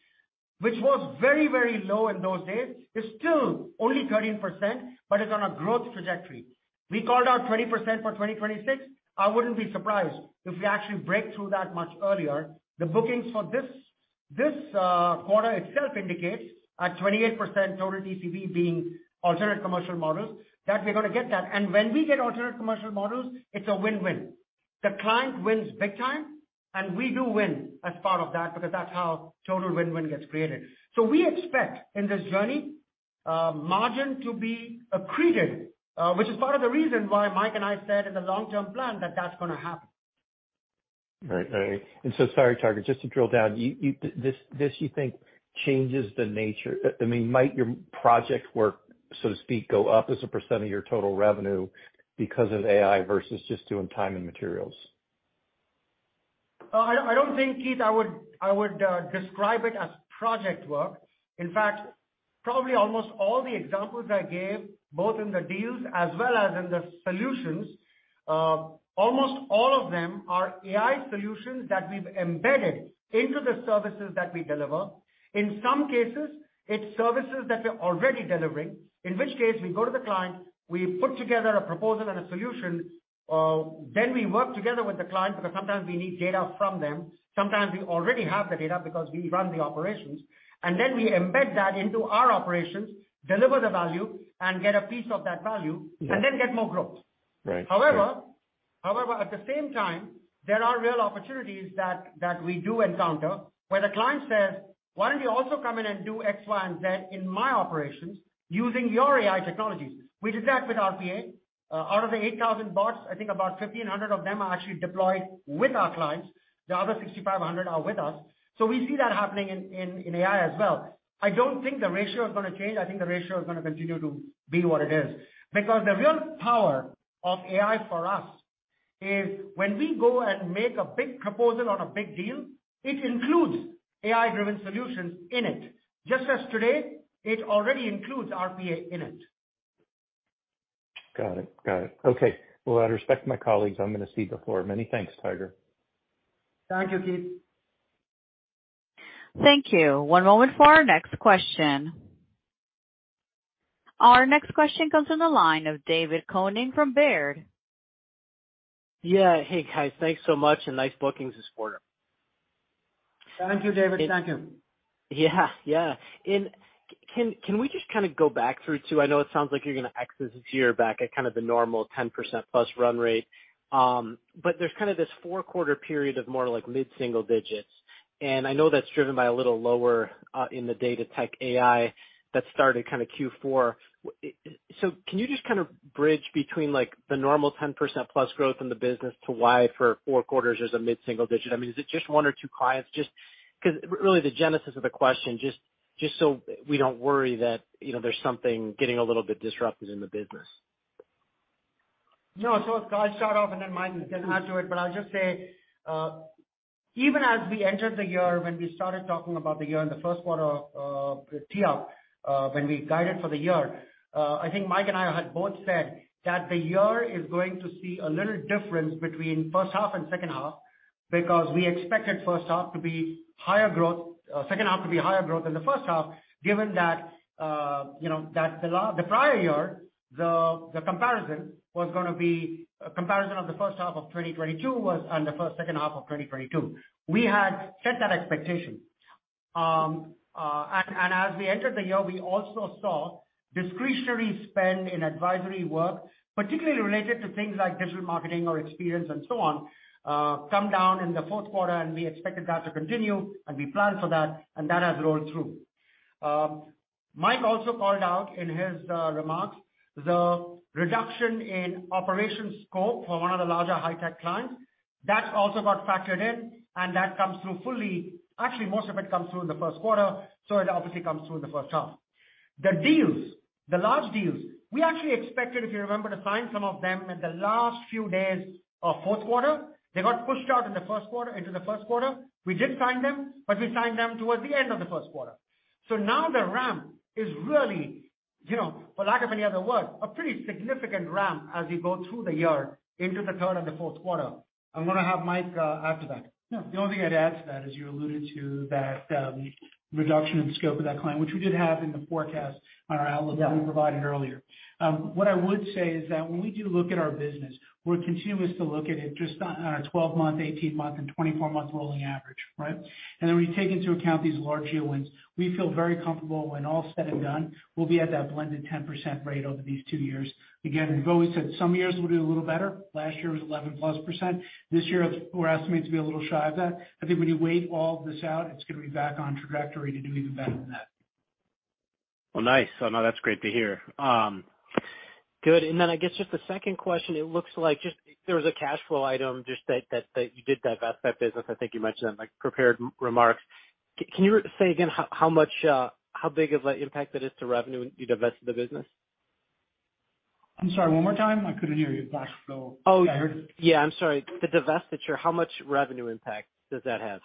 [SPEAKER 3] which was very, very low in those days, is still only 13%, but it's on a growth trajectory. We called out 20% for 2026. I wouldn't be surprised if we actually break through that much earlier. The bookings for this quarter itself indicates at 28% total TCV being alternate commercial models that we're gonna get that. When we get alternate commercial models, it's a win-win. The client wins big time, and we do win as part of that because that's how total win-win gets created. We expect in this journey margin to be accreted, which is part of the reason why Mike and I said in the long-term plan that that's gonna happen.
[SPEAKER 6] Right. Right. Sorry, Tiger, just to drill down. You This you think changes the nature... I mean, might your project work, so to speak, go up as a % of your total revenue because of AI versus just doing time and materials?
[SPEAKER 3] I don't think, Keith, I would describe it as project work. In fact, probably almost all the examples I gave, both in the deals as well as in the solutions, almost all of them are AI solutions that we've embedded into the services that we deliver. In some cases, it's services that we're already delivering, in which case we go to the client, we put together a proposal and a solution, then we work together with the client because sometimes we need data from them. Sometimes we already have the data because we run the operations. Then we embed that into our operations, deliver the value and get a piece of that value, and then get more growth.
[SPEAKER 6] Right.
[SPEAKER 3] At the same time, there are real opportunities that we do encounter where the client says, "Why don't you also come in and do X, Y, and Z in my operations using your AI technologies?" We did that with RPA. Out of the 8,000 bots, I think about 1,500 of them are actually deployed with our clients. The other 6,500 are with us. We see that happening in AI as well. I don't think the ratio is gonna change. I think the ratio is gonna continue to be what it is. Because the real power of AI for us is when we go and make a big proposal on a big deal, it includes AI-driven solutions in it, just as today it already includes RPA in it.
[SPEAKER 6] Got it. Okay. Out of respect to my colleagues, I'm gonna cede the floor. Many thanks, Tiger.
[SPEAKER 3] Thank you, Keith.
[SPEAKER 1] Thank you. One moment for our next question. Our next question comes in the line of David Koning from Baird.
[SPEAKER 7] Yeah. Hey, guys. Thanks so much. Nice bookings this quarter.
[SPEAKER 3] Thank you, David. Thank you.
[SPEAKER 7] Yeah, yeah. Can we just kinda go back through to...? I know it sounds like you're gonna exit this year back at kind of the normal 10% plus run rate. There's kind of this 4-quarter period of more like mid-single digits. I know that's driven by a little lower in the Data-Tech-AI that started kinda Q4. Can you just kinda bridge between, like, the normal 10% plus growth in the business to why for 4 quarters there's a mid-single digit? I mean, is it just 1 or 2 clients? Just 'cause really the genesis of the question, just so we don't worry that, you know, there's something getting a little bit disruptive in the business.
[SPEAKER 3] I'll start off and then Mike can add to it. I'll just say, even as we entered the year, when we started talking about the year in the Q1 of TEUP, when we guided for the year, I think Mike and I had both said that the year is going to see a little difference between first half and second half because we expected first half to be higher growth, second half to be higher growth than the first half, given that, you know, that the prior year, the comparison was gonna be a comparison of the first half of 2022 was on the first second half of 2022. We had set that expectation. As we entered the year, we also saw discretionary spend in advisory work, particularly related to things like digital marketing or experience and so on, come down in the fourth quarter. We expected that to continue. We planned for that, and that has rolled through. Mike also called out in his remarks the reduction in operation scope for one of the larger high-tech clients. That's also got factored in. That comes through fully. Actually, most of it comes through in the Q1. It obviously comes through in the first half. The deals, the large deals, we actually expected, if you remember, to sign some of them in the last few days of fourth quarter. They got pushed out into the Q1. We did sign them, but we signed them towards the end of the Q1. Now the ramp is really, you know, for lack of any other word, a pretty significant ramp as we go through the year into the third and the fourth quarter. I'm gonna have Mike after that.
[SPEAKER 4] Yeah. The only thing I'd add to that is you alluded to that, reduction in scope of that client, which we did have in the forecast on our outlook that we provided earlier. What I would say is that when we do look at our business, we're continuous to look at it just on our 12-month, 18-month, and 24-month rolling average, right? We take into account these large deal wins. We feel very comfortable when all is said and done, we'll be at that blended 10% rate over these 2 years. Again, we've always said some years we'll do a little better. Last year was 11+%. This year we're estimating to be a little shy of that. I think when you weigh all this out, it's gonna be back on trajectory to do even better than that.
[SPEAKER 7] Nice. No, that's great to hear. Good. Then I guess just the second question, it looks like just there was a cash flow item, just that you did divest that business. I think you mentioned that in, like, prepared remarks. Can you say again how much, how big of a impact that is to revenue when you divested the business?
[SPEAKER 4] I'm sorry, one more time. I couldn't hear you. Cash flow.
[SPEAKER 7] Oh.
[SPEAKER 4] I heard it.
[SPEAKER 7] Yeah. I'm sorry. The divestiture, how much revenue impact does that have?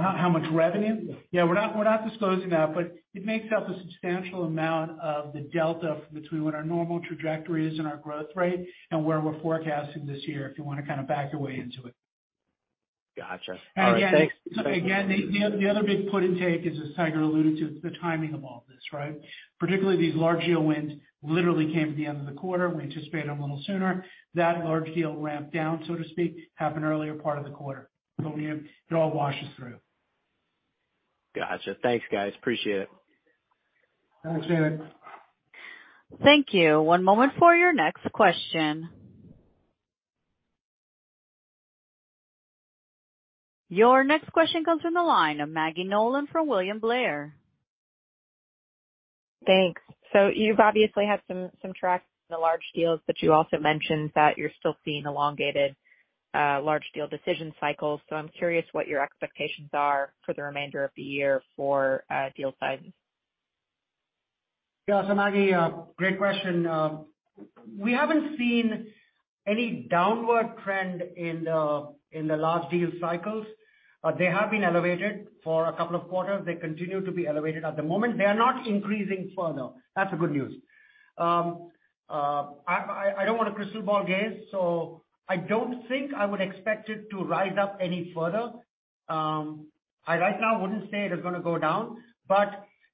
[SPEAKER 4] How much revenue? Yeah, we're not disclosing that. It makes up a substantial amount of the delta between what our normal trajectory is and our growth rate and where we're forecasting this year, if you wanna kinda back your way into it.
[SPEAKER 7] Gotcha. All right, thanks.
[SPEAKER 4] Again, the other big put and take, as Tiger alluded to, it's the timing of all of this, right? Particularly these large deal wins literally came at the end of the quarter. We anticipate them a little sooner. That large deal ramped down, so to speak, happened earlier part of the quarter. We have it all washes through.
[SPEAKER 7] Gotcha. Thanks, guys. Appreciate it.
[SPEAKER 4] Thanks, Eric.
[SPEAKER 1] Thank you. One moment for your next question. Your next question comes from the line of Maggie Nolan from William Blair.
[SPEAKER 8] Thanks. You've obviously had some traction in the large deals, but you also mentioned that you're still seeing elongated large deal decision cycles. I'm curious what your expectations are for the remainder of the year for deal signs.
[SPEAKER 3] Maggie, great question. We haven't seen any downward trend in the, in the large deal cycles. They have been elevated for a couple of quarters. They continue to be elevated at the moment. They are not increasing further. That's the good news. I don't wanna crystal ball gaze, so I don't think I would expect it to rise up any further. I right now wouldn't say it is gonna go down.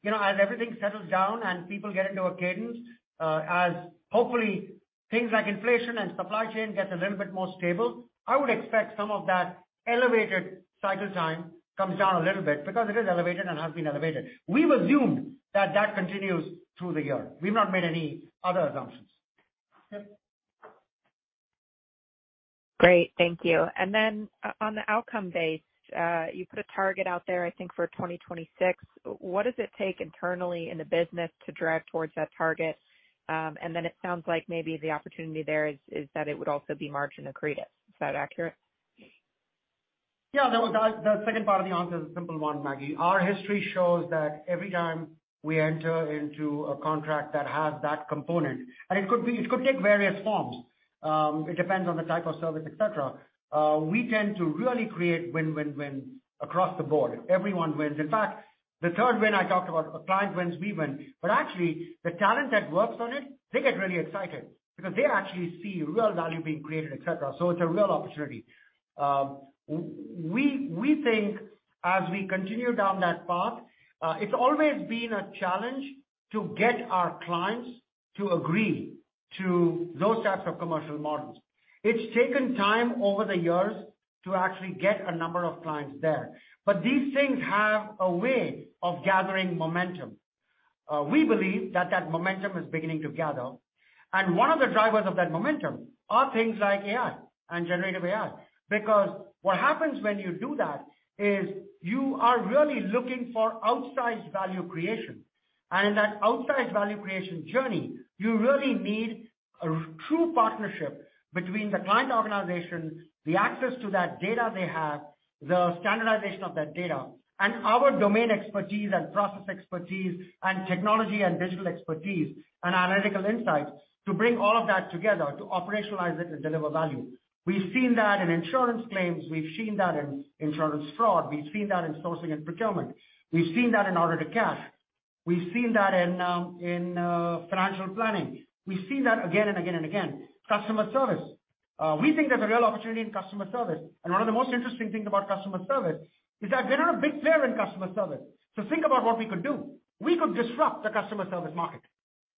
[SPEAKER 3] You know, as everything settles down and people get into a cadence, as hopefully things like inflation and supply chain gets a little bit more stable, I would expect some of that elevated cycle time comes down a little bit because it is elevated and has been elevated. We've assumed that that continues through the year. We've not made any other assumptions.
[SPEAKER 4] Yep.
[SPEAKER 8] Great. Thank you. On the outcome base, you put a target out there, I think, for 2026. What does it take internally in the business to drive towards that target? It sounds like maybe the opportunity there is that it would also be margin accretive. Is that accurate?
[SPEAKER 3] Yeah. The second part of the answer is a simple one, Maggie. Our history shows that every time we enter into a contract that has that component, and it could take various forms, it depends on the type of service, et cetera, we tend to really create win, win across the board. Everyone wins. In fact, the third win I talked about, a client wins, we win. Actually, the talent that works on it, they get really excited because they actually see real value being created, et cetera. It's a real opportunity. We think as we continue down that path, it's always been a challenge to get our clients to agree to those types of commercial models. It's taken time over the years to actually get a number of clients there. These things have a way of gathering momentum. We believe that that momentum is beginning to gather, and one of the drivers of that momentum are things like AI and generative AI. What happens when you do that is you are really looking for outsized value creation. In that outsized value creation journey, you really need a true partnership between the client organization, the access to that data they have. The standardization of that data and our domain expertise and process expertise and technology and digital expertise and analytical insights to bring all of that together to operationalize it and deliver value. We've seen that in insurance claims, we've seen that in insurance fraud, we've seen that in sourcing and procurement. We've seen that in order to cash. We've seen that in financial planning. We see that again and again and again. Customer service. We think there's a real opportunity in customer service. One of the most interesting things about customer service is that we're not a big player in customer service. Think about what we could do. We could disrupt the customer service market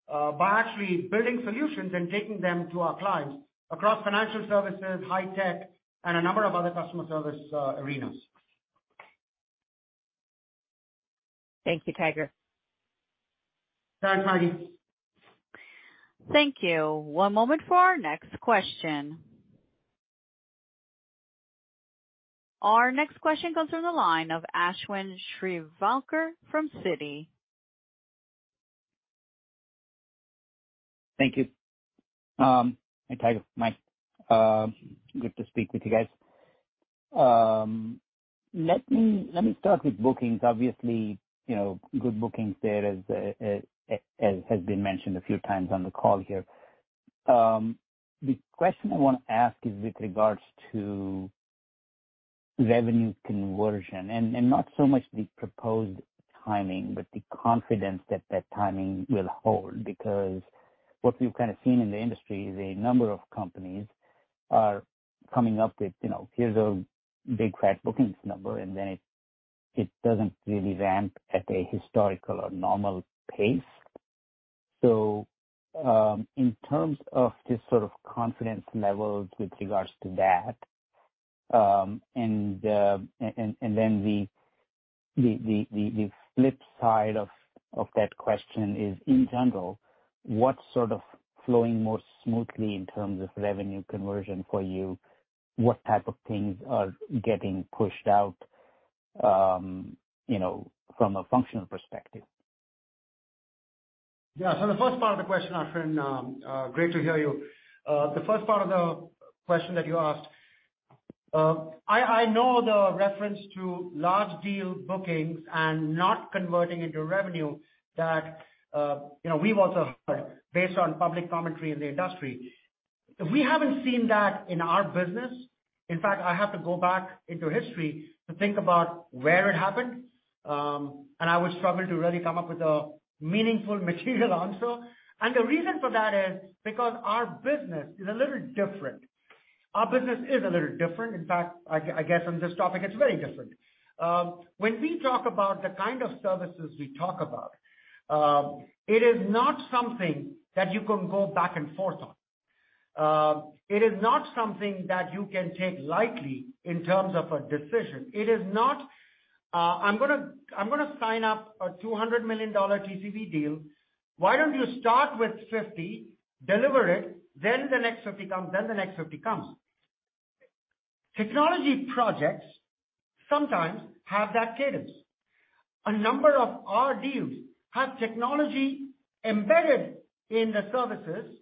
[SPEAKER 3] by actually building solutions and taking them to our clients across financial services, high tech, and a number of other customer service arenas.
[SPEAKER 9] Thank you, Tiger.
[SPEAKER 3] Thanks, Maggie.
[SPEAKER 10] Thank you. One moment for our next question. Our next question comes from the line of Ashwin Shirvaikar from Citi.
[SPEAKER 11] Thank you. Hi Tiger, Mike. Good to speak with you guys. Let me start with bookings. Obviously, you know, good bookings there as has been mentioned a few times on the call here. The question I wanna ask is with regards to revenue conversion and not so much the proposed timing, but the confidence that that timing will hold, because what we've kind of seen in the industry is a number of companies are coming up with, you know, here's a big fat bookings number, and then it doesn't really ramp at a historical or normal pace. In terms of this sort of confidence level with regards to that, and then the flip side of that question is, in general, what's sort of flowing more smoothly in terms of revenue conversion for you? What type of things are getting pushed out, you know, from a functional perspective?
[SPEAKER 3] The first part of the question, Ashwin, great to hear you. The first part of the question that you asked, I know the reference to large deal bookings and not converting into revenue that, you know, we've also heard based on public commentary in the industry. We haven't seen that in our business. In fact, I have to go back into history to think about where it happened. I would struggle to really come up with a meaningful material answer. The reason for that is because our business is a little different. Our business is a little different. In fact, I guess on this topic, it's very different. When we talk about the kind of services we talk about, it is not something that you can go back and forth on. It is not something that you can take lightly in terms of a decision. It is not I'm gonna sign up a $200 million TCV deal. Why don't you start with 50, deliver it, then the next 50 comes, then the next 50 comes. Technology projects sometimes have that cadence. A number of our deals have technology embedded in the services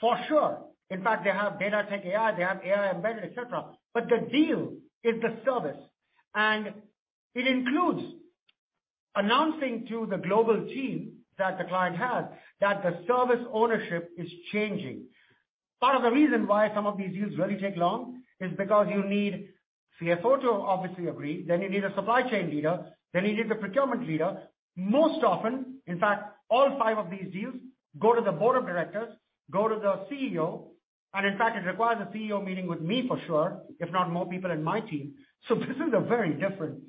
[SPEAKER 3] for sure. In fact, they have Data-Tech-AI, they have AI embedded, et cetera. The deal is the service, and it includes announcing to the global team that the client has that the service ownership is changing. Part of the reason why some of these deals really take long is because you need CFO to obviously agree, then you need a supply chain leader, then you need the procurement leader. Most often, in fact, all five of these deals go to the board of directors, go to the CEO, and in fact, it requires a CEO meeting with me for sure, if not more people in my team. This is a very different.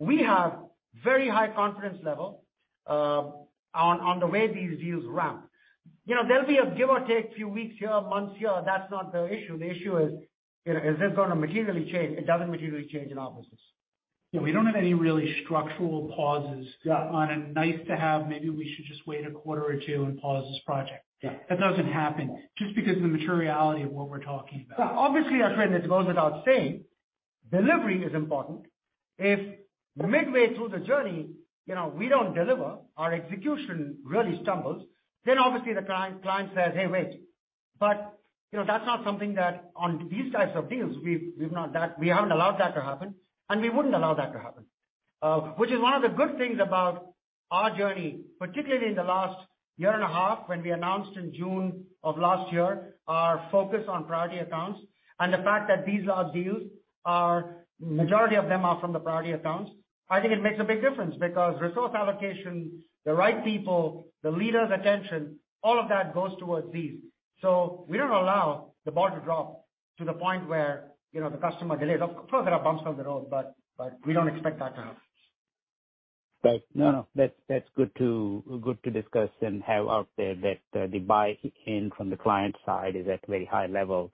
[SPEAKER 3] We have very high confidence level on the way these deals ramp. You know, there'll be a give or take few weeks here, months here. That's not the issue. The issue is, you know, is this gonna materially change? It doesn't materially change in our business.
[SPEAKER 12] Yeah, we don't have any really structural pauses...
[SPEAKER 3] Yeah.
[SPEAKER 12] on a nice to have, maybe we should just wait a quarter or two and pause this project.
[SPEAKER 3] Yeah.
[SPEAKER 12] That doesn't happen just because of the materiality of what we're talking about.
[SPEAKER 3] Yeah. Obviously, Ashwin, it goes without saying, delivery is important. If midway through the journey, you know, we don't deliver, our execution really stumbles, then obviously the client says, "Hey, wait." You know, that's not something that on these types of deals, we've we haven't allowed that to happen, and we wouldn't allow that to happen. Which is one of the good things about our journey, particularly in the last year and a half when we announced in June of last year, our focus on priority accounts and the fact that these large deals are, majority of them are from the priority accounts. I think it makes a big difference because resource allocation, the right people, the leader's attention, all of that goes towards these. We don't allow the ball to drop to the point where, you know, the customer delays. Of course, there are bumps on the road, but we don't expect that to happen.
[SPEAKER 11] Right. No, no, that's good to discuss and have out there that, the buy-in from the client side is at very high level,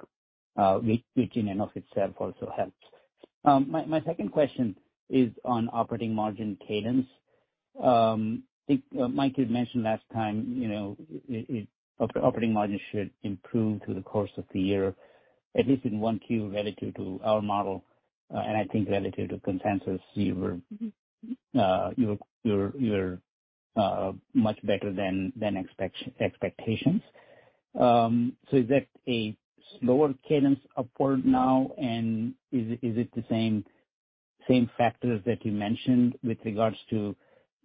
[SPEAKER 11] which in and of itself also helps. My second question is on operating margin cadence. I think, Mike, you'd mentioned last time, you know, it operating margin should improve through the course of the year, at least in 1Q relative to our model. I think relative to consensus, you were much better than expectations. Is that a slower cadence upward now, and is it the same factors that you mentioned with regards to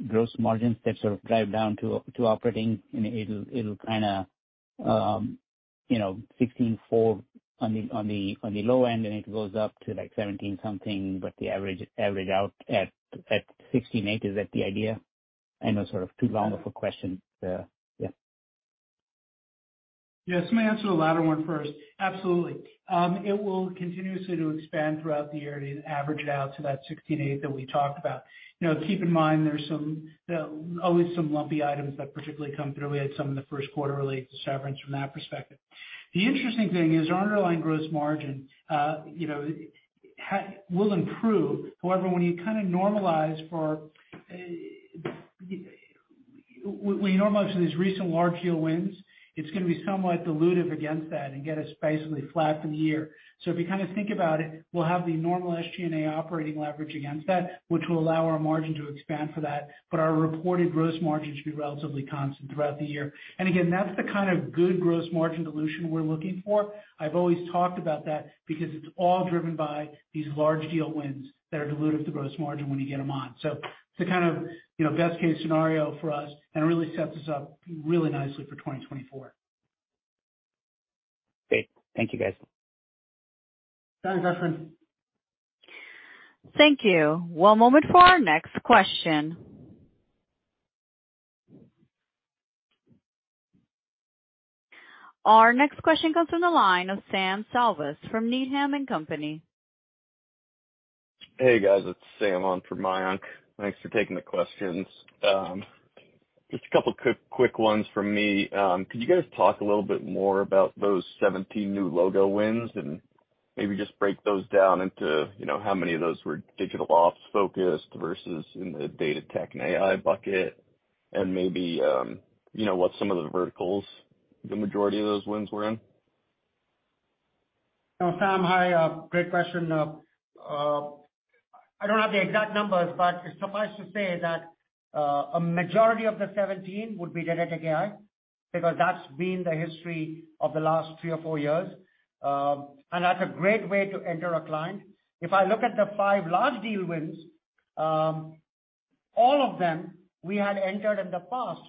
[SPEAKER 11] gross margins that sort of drive down to operating and it'll kinda, you know, 16.4% on the low end, and it goes up to like 17 something%, but the average out 16.8%? Is that the idea? I know sort of too long of a question. yeah.
[SPEAKER 4] Yes. I'm gonna answer the latter one first. Absolutely. It will continuously to expand throughout the year and average it out to that 16.8 that we talked about. You know, keep in mind there's always some lumpy items that particularly come through. We had some in the Q1 related to severance from that perspective. The interesting thing is our underlying gross margin, you know, will improve. However, when you kinda normalize for these recent large deal wins, it's gonna be somewhat dilutive against that and get us basically flat for the year. If you kinda think about it, we'll have the normal SG&A operating leverage against that, which will allow our margin to expand for that, but our reported gross margin should be relatively constant throughout the year. Again, that's the kind of good gross margin dilution we're looking for. I've always talked about that because it's all driven by these large deal wins that are dilutive to gross margin when you get them on. It's a kind of, you know, best case scenario for us and really sets us up really nicely for 2024.
[SPEAKER 11] Great. Thank you, guys.
[SPEAKER 4] Thanks, Ashwin.
[SPEAKER 1] Thank you. One moment for our next question. Our next question comes from the line of Sam Salvas from Needham & Company.
[SPEAKER 13] Hey, guys, it's Sam on from Mayank. Thanks for taking the questions. Just a couple quick ones from me. Could you guys talk a little bit more about those 17 new logo wins and maybe just break those down into, you know, how many of those were digital ops focused versus in the Data-Tech-AI bucket? Maybe, you know, what some of the verticals the majority of those wins were in.
[SPEAKER 3] You know, Sam, hi. great question. I don't have the exact numbers, but suffice to say that a majority of the 17 would be Data-Tech-AI, because that's been the history of the last 3 or 4 years. That's a great way to enter a client. If I look at the 5 large deal wins, all of them we had entered in the past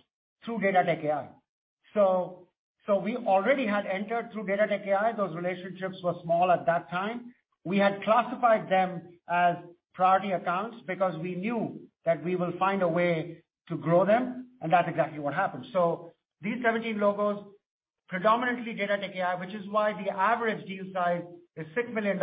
[SPEAKER 3] through Data-Tech-AI. We already had entered through Data-Tech-AI. Those relationships were small at that time. We had classified them as priority accounts because we knew that we will find a way to grow them, and that's exactly what happened. These 17 logos, predominantly Data-Tech-AI, which is why the average deal size is $6 million.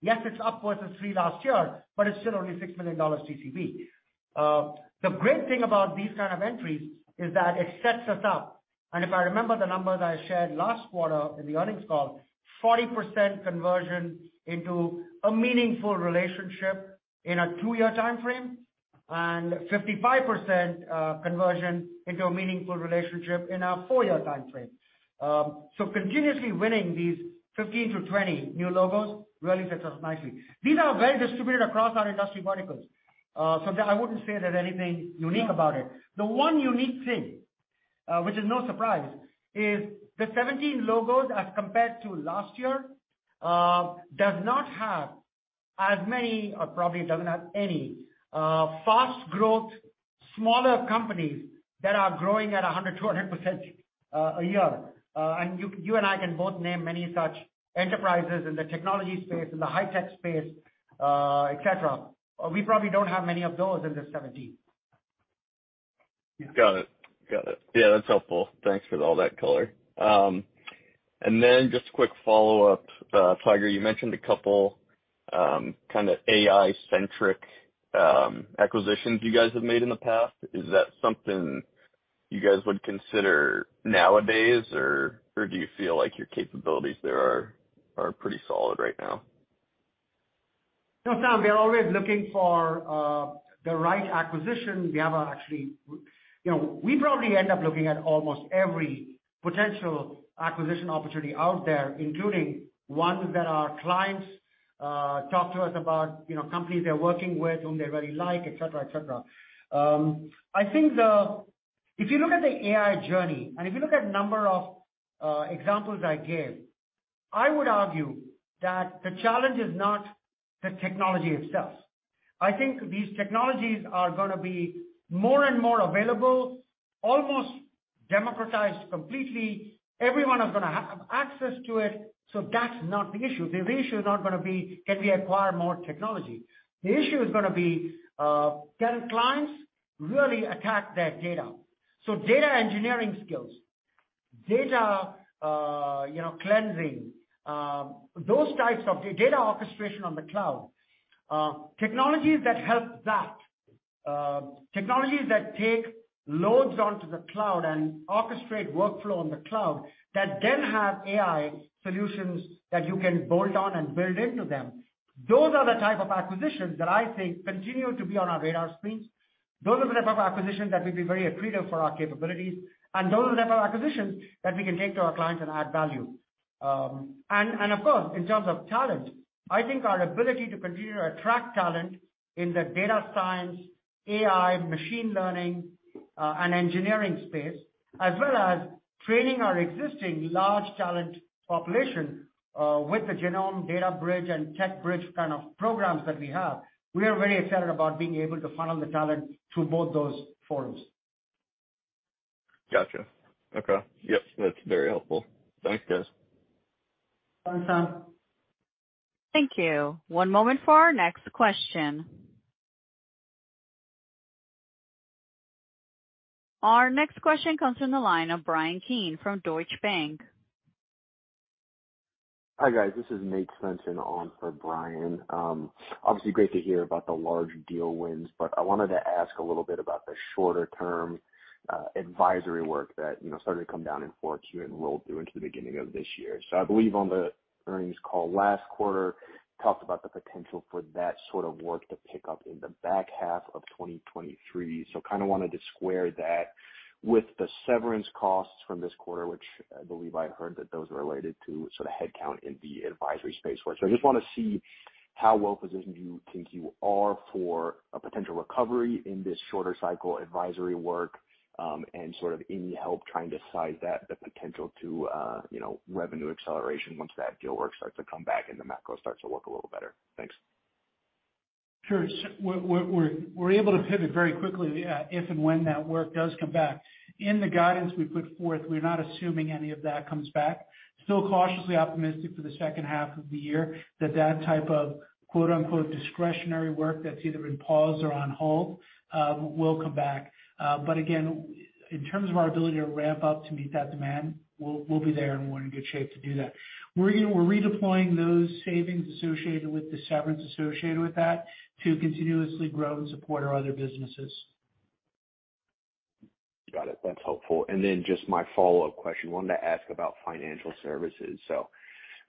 [SPEAKER 3] Yes, it's upwards of 3 last year, but it's still only $6 million TCB. The great thing about these kind of entries is that it sets us up, and if I remember the numbers I shared last quarter in the earnings call, 40% conversion into a meaningful relationship in a two-year timeframe and 55% conversion into a meaningful relationship in a four-year timeframe. Continuously winning these 15-20 new logos really fits us nicely. These are well distributed across our industry verticals, so that I wouldn't say there's anything unique about it. The one unique thing, which is no surprise, is the 17 logos as compared to last year, does not have as many, or probably it doesn't have any, fast growth, smaller companies that are growing at 100%, 200% a year. You and I can both name many such enterprises in the technology space, in the high tech space, et cetera. We probably don't have many of those in this 17.
[SPEAKER 13] Got it. Got it. Yeah, that's helpful. Thanks for all that color. Just a quick follow-up. Tiger, you mentioned a couple, kinda AI-centric acquisitions you guys have made in the past. Is that something you guys would consider nowadays or do you feel like your capabilities there are pretty solid right now?
[SPEAKER 3] No, Sam, we are always looking for the right acquisition. We have actually... You know, we probably end up looking at almost every potential acquisition opportunity out there, including ones that our clients talk to us about, you know, companies they're working with, whom they really like, et cetera, et cetera. I think the... If you look at the AI journey and if you look at number of examples I gave, I would argue that the challenge is not the technology itself. I think these technologies are gonna be more and more available, almost democratized completely. Everyone is gonna have access to it, so that's not the issue. The issue is not gonna be, can we acquire more technology? The issue is gonna be, can clients really attack their data? Data engineering skills, data, you know, cleansing, those types of data orchestration on the cloud. Technologies that help that, technologies that take loads onto the cloud and orchestrate workflow on the cloud that then have AI solutions that you can bolt on and build into them, those are the type of acquisitions that I think continue to be on our radar screens. Those are the type of acquisitions that we'd be very accretive for our capabilities, and those are the type of acquisitions that we can take to our clients and add value. Of course, in terms of talent, I think our ability to continue to attract talent in the data science, AI, machine learning, and engineering space, as well as training our existing large talent population, with the Genome DataBridge and Tech Bridge kind of programs that we have, we are very excited about being able to funnel the talent through both those forums.
[SPEAKER 13] Gotcha. Okay. Yes. That's very helpful. Thanks, guys.
[SPEAKER 3] Awesome.
[SPEAKER 1] Thank you. One moment for our next question. Our next question comes from the line of Bryan Keane from Deutsche Bank.
[SPEAKER 14] Hi, guys. This is Nate Svensson on for Bryan Keane. Obviously, great to hear about the large deal wins, I wanted to ask a little bit about the shorter term advisory work that, you know, started to come down in 4Q and rolled through into the beginning of this year. I believe on the earnings call last quarter, talked about the potential for that sort of work to pick up in the back half of 2023. Kinda wanted to square that with the severance costs from this quarter, which I believe I heard that those are related to sort of headcount in the advisory space where... I just wanna see how well positioned you think you are for a potential recovery in this shorter cycle advisory work, and sort of any help trying to size that, the potential to, you know, revenue acceleration once that deal work starts to come back into macro starts to look a little better. Thanks.
[SPEAKER 4] Sure. We're able to pivot very quickly if and when that work does come back. In the guidance we put forth, we're not assuming any of that comes back. Still cautiously optimistic for the second half of the year that that type of quote-unquote, discretionary work that's either been paused or on hold, will come back. Again, in terms of our ability to ramp up to meet that demand, we'll be there, and we're in good shape to do that. We're redeploying those savings associated with the severance associated with that to continuously grow and support our other businesses.
[SPEAKER 14] Got it. That's helpful. Just my follow-up question. Wanted to ask about financial services.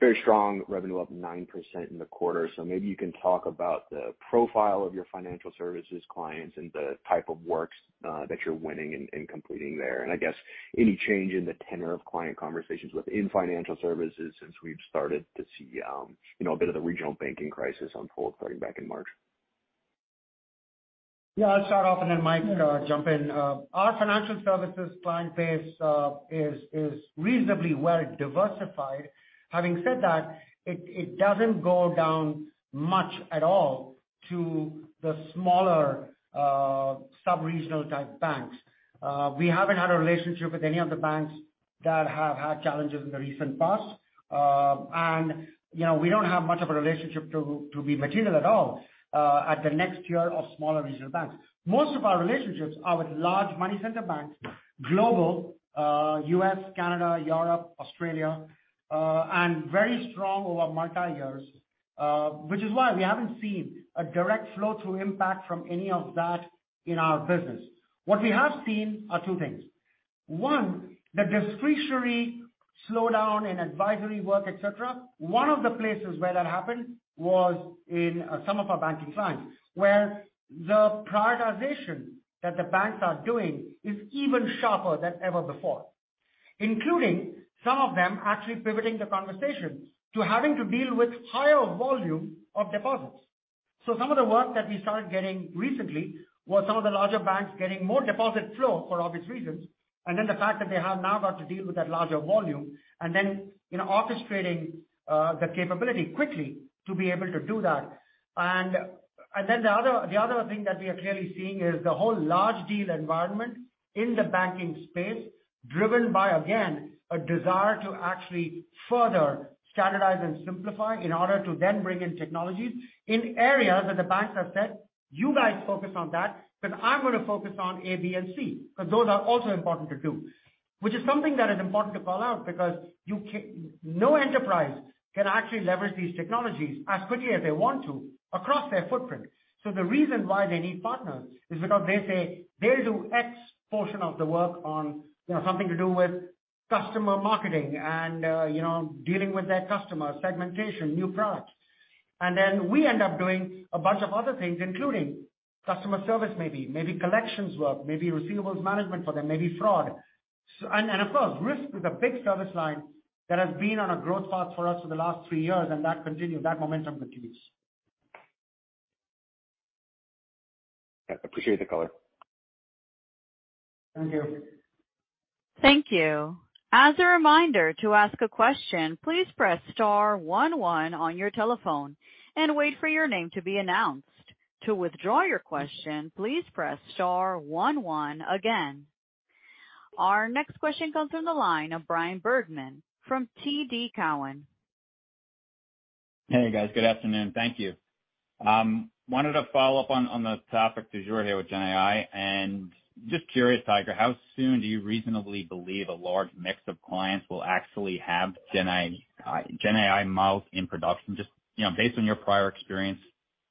[SPEAKER 14] Very strong revenue up 9% in the quarter. Maybe you can talk about the profile of your financial services clients and the type of works that you're winning and completing there. I guess any change in the tenor of client conversations within financial services since we've started to see, you know, a bit of the regional banking crisis unfold starting back in March.
[SPEAKER 3] Yeah, I'll start off and then Mike jump in. Our financial services client base is reasonably well diversified. Having said that, it doesn't go down much at all to the smaller, sub-regional type banks. We haven't had a relationship with any of the banks that have had challenges in the recent past, and, you know, we don't have much of a relationship to be material at all at the next tier of smaller regional banks. Most of our relationships are with large money center banks, global, U.S., Canada, Europe, Australia, and very strong over multi years, which is why we haven't seen a direct flow-through impact from any of that in our business. What we have seen are two things. One, the discretionary slowdown in advisory work, et cetera. One of the places where that happened was in some of our banking clients, where the prioritization that the banks are doing is even sharper than ever before, including some of them actually pivoting the conversation to having to deal with higher volume of deposits. Some of the work that we started getting recently was some of the larger banks getting more deposit flow for obvious reasons, and then the fact that they have now got to deal with that larger volume and then, you know, orchestrating the capability quickly to be able to do that. The other, the other thing that we are clearly seeing is the whole large deal environment in the banking space driven by, again, a desire to actually further standardize and simplify in order to then bring in technologies in areas that the banks have said, "You guys focus on that, but I'm gonna focus on A, B, and C, 'cause those are also important to do." Which is something that is important to call out because no enterprise can actually leverage these technologies as quickly as they want to across their footprint. The reason why they need partners is because they say they'll do X portion of the work on, you know, something to do with customer marketing and, you know, dealing with their customers, segmentation, new products. Then we end up doing a bunch of other things, including customer service maybe collections work, maybe receivables management for them, maybe fraud. Of course, risk is a big service line that has been on a growth path for us for the last three years, and that continued, that momentum continues.
[SPEAKER 14] I appreciate the color.
[SPEAKER 3] Thank you.
[SPEAKER 1] Thank you. As a reminder to ask a question, please press star one one on your telephone and wait for your name to be announced. To withdraw your question, please press star one one again. Our next question comes from the line of Bryan Bergin from TD Cowen.
[SPEAKER 15] Hey, guys. Good afternoon. Thank you. wanted to follow up on the topic du jour here with GenAI. Just curious, Tiger, how soon do you reasonably believe a large mix of clients will actually have GenAI models in production? Just, you know, based on your prior experience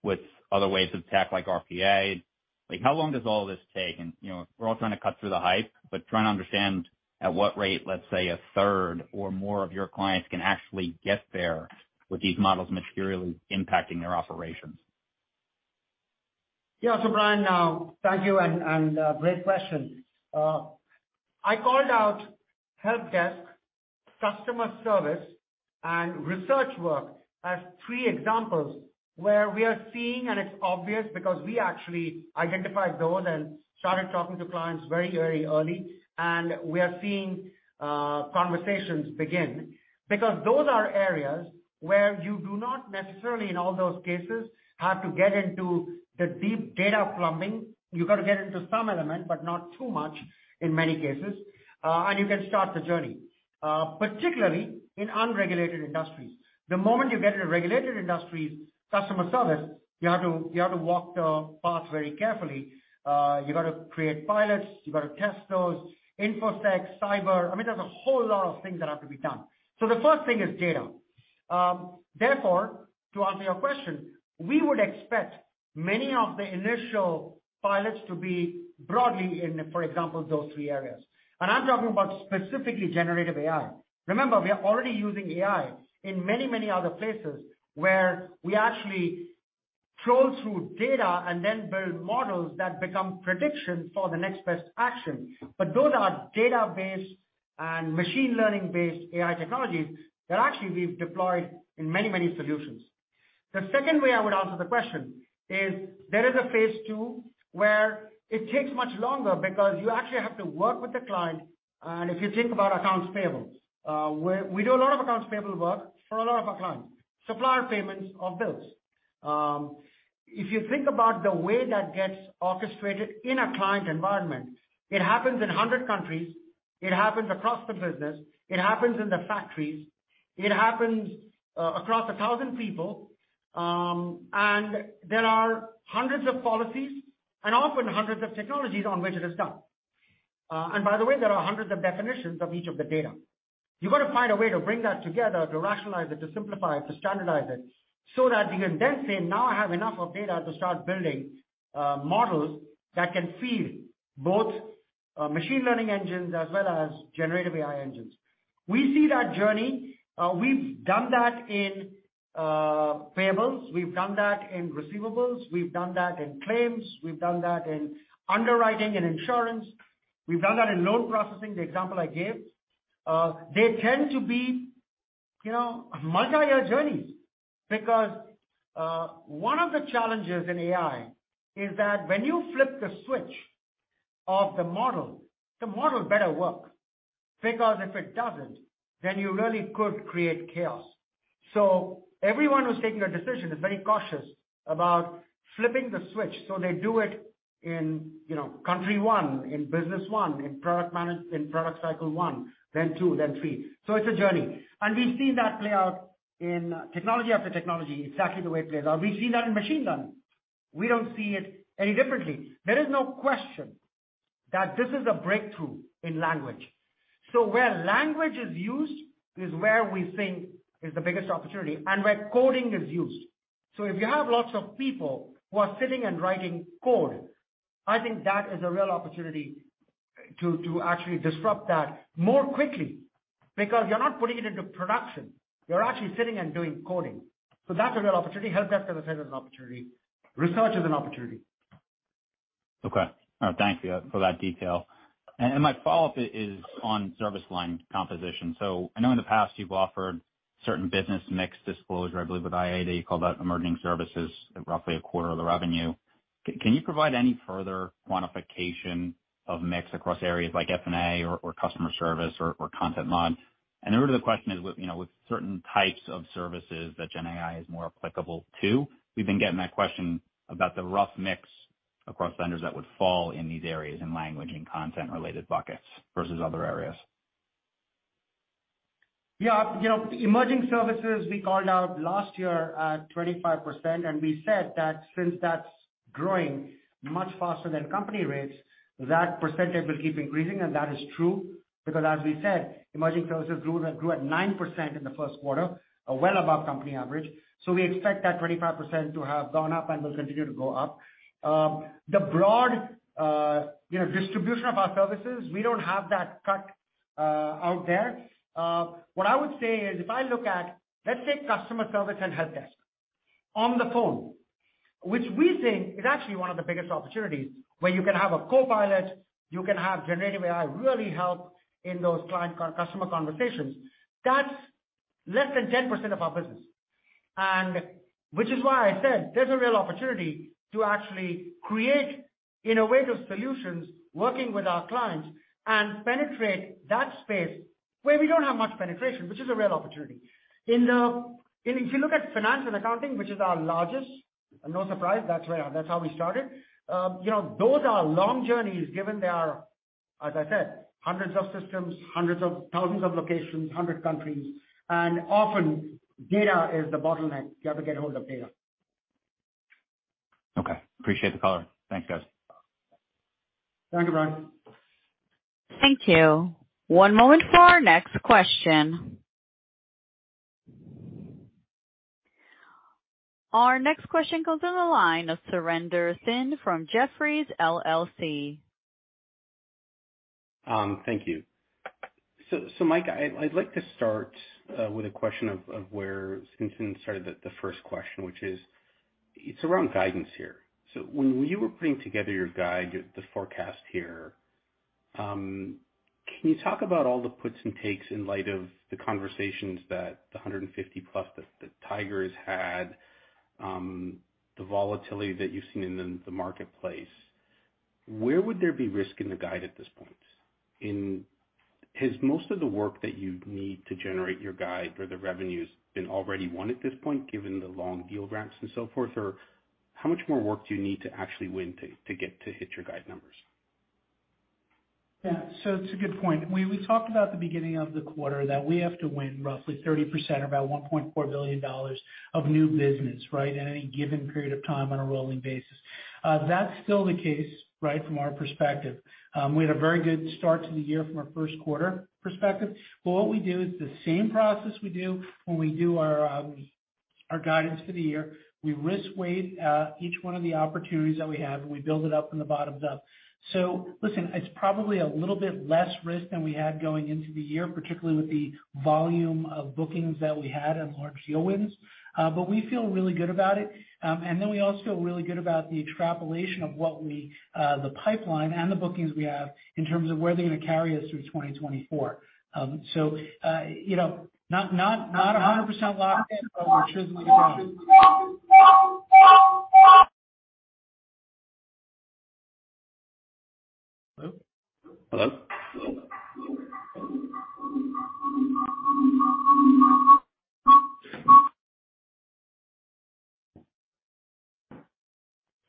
[SPEAKER 15] with other waves of tech like RPA, like how long does all this take? You know, we're all trying to cut through the hype, but trying to understand at what rate, let's say, a third or more of your clients can actually get there with these models materially impacting their operations.
[SPEAKER 3] Bryan, thank you and great question. I called out helpdesk, customer service and research work as three examples where we are seeing and it's obvious because we actually identified those and started talking to clients very, very early. We are seeing conversations begin because those are areas where you do not necessarily, in all those cases, have to get into the deep data plumbing. You got to get into some element, but not too much in many cases, and you can start the journey, particularly in unregulated industries. The moment you get into regulated industries, customer service, you have to walk the path very carefully. You got to create pilots, you got to test those. InfoSec, cyber, I mean, there's a whole lot of things that have to be done. The first thing is data. Therefore, to answer your question, we would expect many of the initial pilots to be broadly in, for example, those three areas. I'm talking about specifically GenAI. Remember, we are already using AI in many, many other places where we actually troll through data and then build models that become predictions for the next best action. Those are data-based and machine learning-based AI technologies that actually we've deployed in many, many solutions. The second way I would answer the question is there is a phase two where it takes much longer because you actually have to work with the client. If you think about accounts payable, we do a lot of accounts payable work for a lot of our clients, supplier payments of bills. If you think about the way that gets orchestrated in a client environment, it happens in 100 countries. It happens across the business. It happens in the factories. It happens across 1,000 people. There are hundreds of policies and often hundreds of technologies on which it is done. By the way, there are hundreds of definitions of each of the data. You got to find a way to bring that together, to rationalize it, to simplify it, to standardize it, so that you can then say, "Now I have enough of data to start building models that can feed both machine learning engines as well as generative AI engines." We see that journey. We've done that in payables. We've done that in receivables. We've done that in claims. We've done that in underwriting and insurance. We've done that in loan processing, the example I gave. They tend to be, you know, multi-year journeys because one of the challenges in AI is that when you flip the switch of the model, the model better work, because if it doesn't, then you really could create chaos. Everyone who's taking a decision is very cautious about flipping the switch. They do it in, you know, country 1, in business 1, in product cycle 1, then 2, then 3. It's a journey. We've seen that play out in technology after technology, exactly the way it plays out. We've seen that in machine learning. We don't see it any differently. There is no question that this is a breakthrough in language. Where language is used is where we think is the biggest opportunity and where coding is used. If you have lots of people who are sitting and writing code, I think that is a real opportunity to actually disrupt that more quickly because you're not putting it into production. You're actually sitting and doing coding. That's a real opportunity. Helpdesk as I said is an opportunity. Research is an opportunity.
[SPEAKER 15] Okay. Thank you for that detail. My follow-up is on service line composition. I know in the past you've offered certain business mix disclosure, I believe with IAD, you called out emerging services at roughly a quarter of the revenue. Can you provide any further quantification of mix across areas like FP&A or customer service or content mod? The root of the question is with, you know, with certain types of services that GenAI is more applicable to, we've been getting that question about the rough mix across vendors that would fall in these areas in language and content related buckets versus other areas.
[SPEAKER 3] Yeah. You know, emerging services we called out last year at 25%, we said that since that's growing much faster than company rates, that percentage will keep increasing. That is true because as we said, emerging services grew at 9% in the Q1, well above company average. We expect that 25% to have gone up and will continue to go up. The broad, you know, distribution of our services, we don't have that cut out there. What I would say is, if I look at, let's say, customer service and helpdesk on the phone, which we think is actually one of the biggest opportunities, where you can have a copilot, you can have generative AI really help in those client customer conversations, that's less than 10% of our business. Which is why I said there's a real opportunity to actually create innovative solutions working with our clients and penetrate that space where we don't have much penetration, which is a real opportunity. If you look at finance and accounting, which is our largest, no surprise, that's how we started. You know, those are long journeys given there are, as I said, hundreds of systems, hundreds of thousands of locations, 100 countries. Often data is the bottleneck. You have to get hold of data.
[SPEAKER 15] Okay. Appreciate the color. Thanks, guys.
[SPEAKER 3] Thank you, Bryan.
[SPEAKER 1] Thank you. One moment for our next question. Our next question comes on the line of Surinder Thind from Jefferies LLC.
[SPEAKER 16] Thank you. Mike, I'd like to start with a question of where Simpson started the first question, which is, it's around guidance here. When you were putting together your guide, the forecast here, can you talk about all the puts and takes in light of the conversations that the 150 plus that Tiger has had, the volatility that you've seen in the marketplace? Where would there be risk in the guide at this point? Has most of the work that you'd need to generate your guide or the revenues been already won at this point, given the long deal ramps and so forth? Or how much more work do you need to actually win to get to hit your guide numbers?
[SPEAKER 4] Yeah, it's a good point. We talked about the beginning of the quarter that we have to win roughly 30% or about $1.4 billion of new business, right? At any given period of time on a rolling basis. That's still the case, right? From our perspective. We had a very good start to the year from our Q1 perspective. What we do is the same process we do when we do our our guidance for the year. We risk weight each one of the opportunities that we have, and we build it up from the bottom up. Listen, it's probably a little bit less risk than we had going into the year, particularly with the volume of bookings that we had and large deal wins. We feel really good about it.
[SPEAKER 3] We also feel really good about the extrapolation of what we, the pipeline and the bookings we have in terms of where they're gonna carry us through 2024. You know, not 100% locked in, but we're truly-
[SPEAKER 16] Hello? Hello?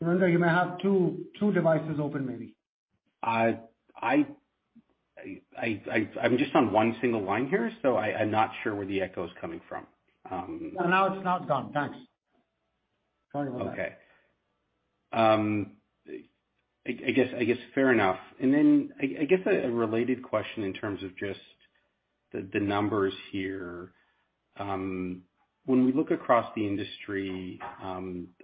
[SPEAKER 3] Surinder, you may have two devices open, maybe.
[SPEAKER 16] I'm just on one single line here, so I'm not sure where the echo is coming from.
[SPEAKER 3] Now it's not. Gone. Thanks. Sorry about that.
[SPEAKER 16] Okay. I guess fair enough. I guess a related question in terms of just the numbers here. When we look across the industry,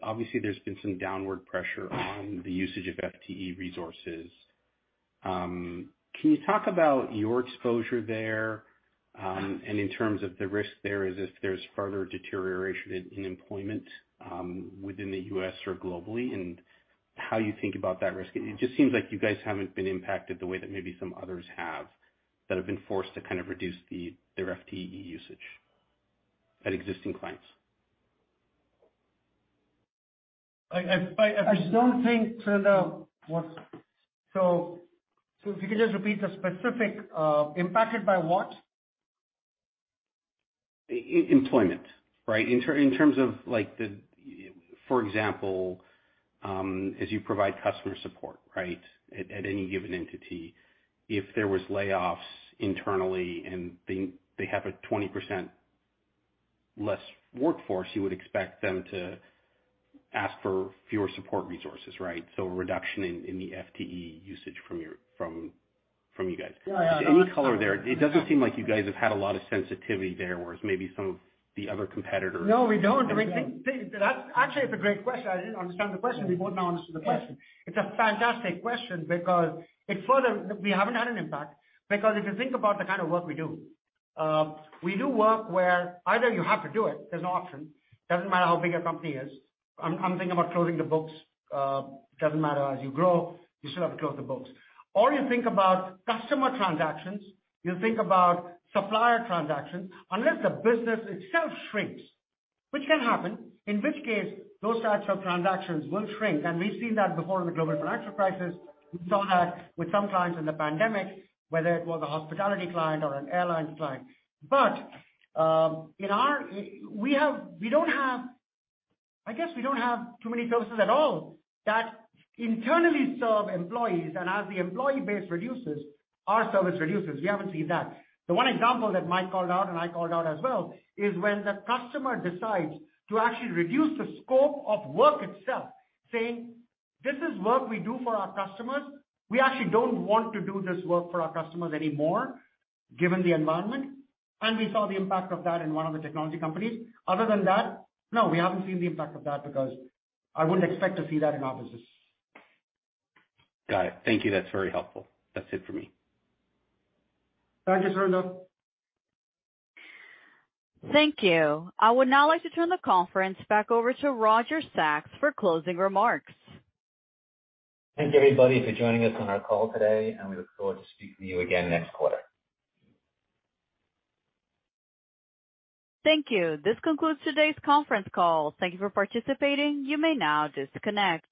[SPEAKER 16] obviously there's been some downward pressure on the usage of FTE resources. Can you talk about your exposure there, and in terms of the risk there is if there's further deterioration in employment, within the US or globally, and how you think about that risk? It just seems like you guys haven't been impacted the way that maybe some others have, that have been forced to kind of reduce their FTE usage at existing clients.
[SPEAKER 3] I don't think, Surinder, What? If you can just repeat the specific, impacted by what?
[SPEAKER 16] Employment, right? In terms of like the, for example, as you provide customer support, right? At any given entity. If there was layoffs internally and they have a 20% less workforce, you would expect them to ask for fewer support resources, right? A reduction in the FTE usage from you guys.
[SPEAKER 3] Yeah, yeah.
[SPEAKER 16] Any color there. It doesn't seem like you guys have had a lot of sensitivity there, whereas maybe some of the other competitors-.
[SPEAKER 3] No, we don't. I think that's actually it's a great question. I didn't understand the question. We both now understood the question. It's a fantastic question because it further... We haven't had an impact because if you think about the kind of work we do, we do work where either you have to do it, there's no option. Doesn't matter how big your company is. I'm thinking about closing the books. It doesn't matter. As you grow, you still have to close the books. You think about customer transactions, you think about supplier transactions. Unless the business itself shrinks, which can happen, in which case those types of transactions will shrink. We've seen that before in the global financial crisis. We saw that with some clients in the pandemic, whether it was a hospitality client or an airline client. In our... I guess we don't have too many doses at all that internally serve employees and as the employee base reduces, our service reduces. We haven't seen that. The one example that Mike called out and I called out as well is when the customer decides to actually reduce the scope of work itself, saying, "This is work we do for our customers. We actually don't want to do this work for our customers anymore, given the environment." We saw the impact of that in one of the technology companies. Other than that, no, we haven't seen the impact of that because I wouldn't expect to see that in our business.
[SPEAKER 16] Got it. Thank you. That's very helpful. That's it for me.
[SPEAKER 3] Thank you, Surinder.
[SPEAKER 1] Thank you. I would now like to turn the conference back over to Roger Sachs for closing remarks.
[SPEAKER 2] Thanks everybody for joining us on our call today, and we look forward to speaking to you again next quarter.
[SPEAKER 1] Thank you. This concludes today's conference call. Thank you for participating. You may now disconnect.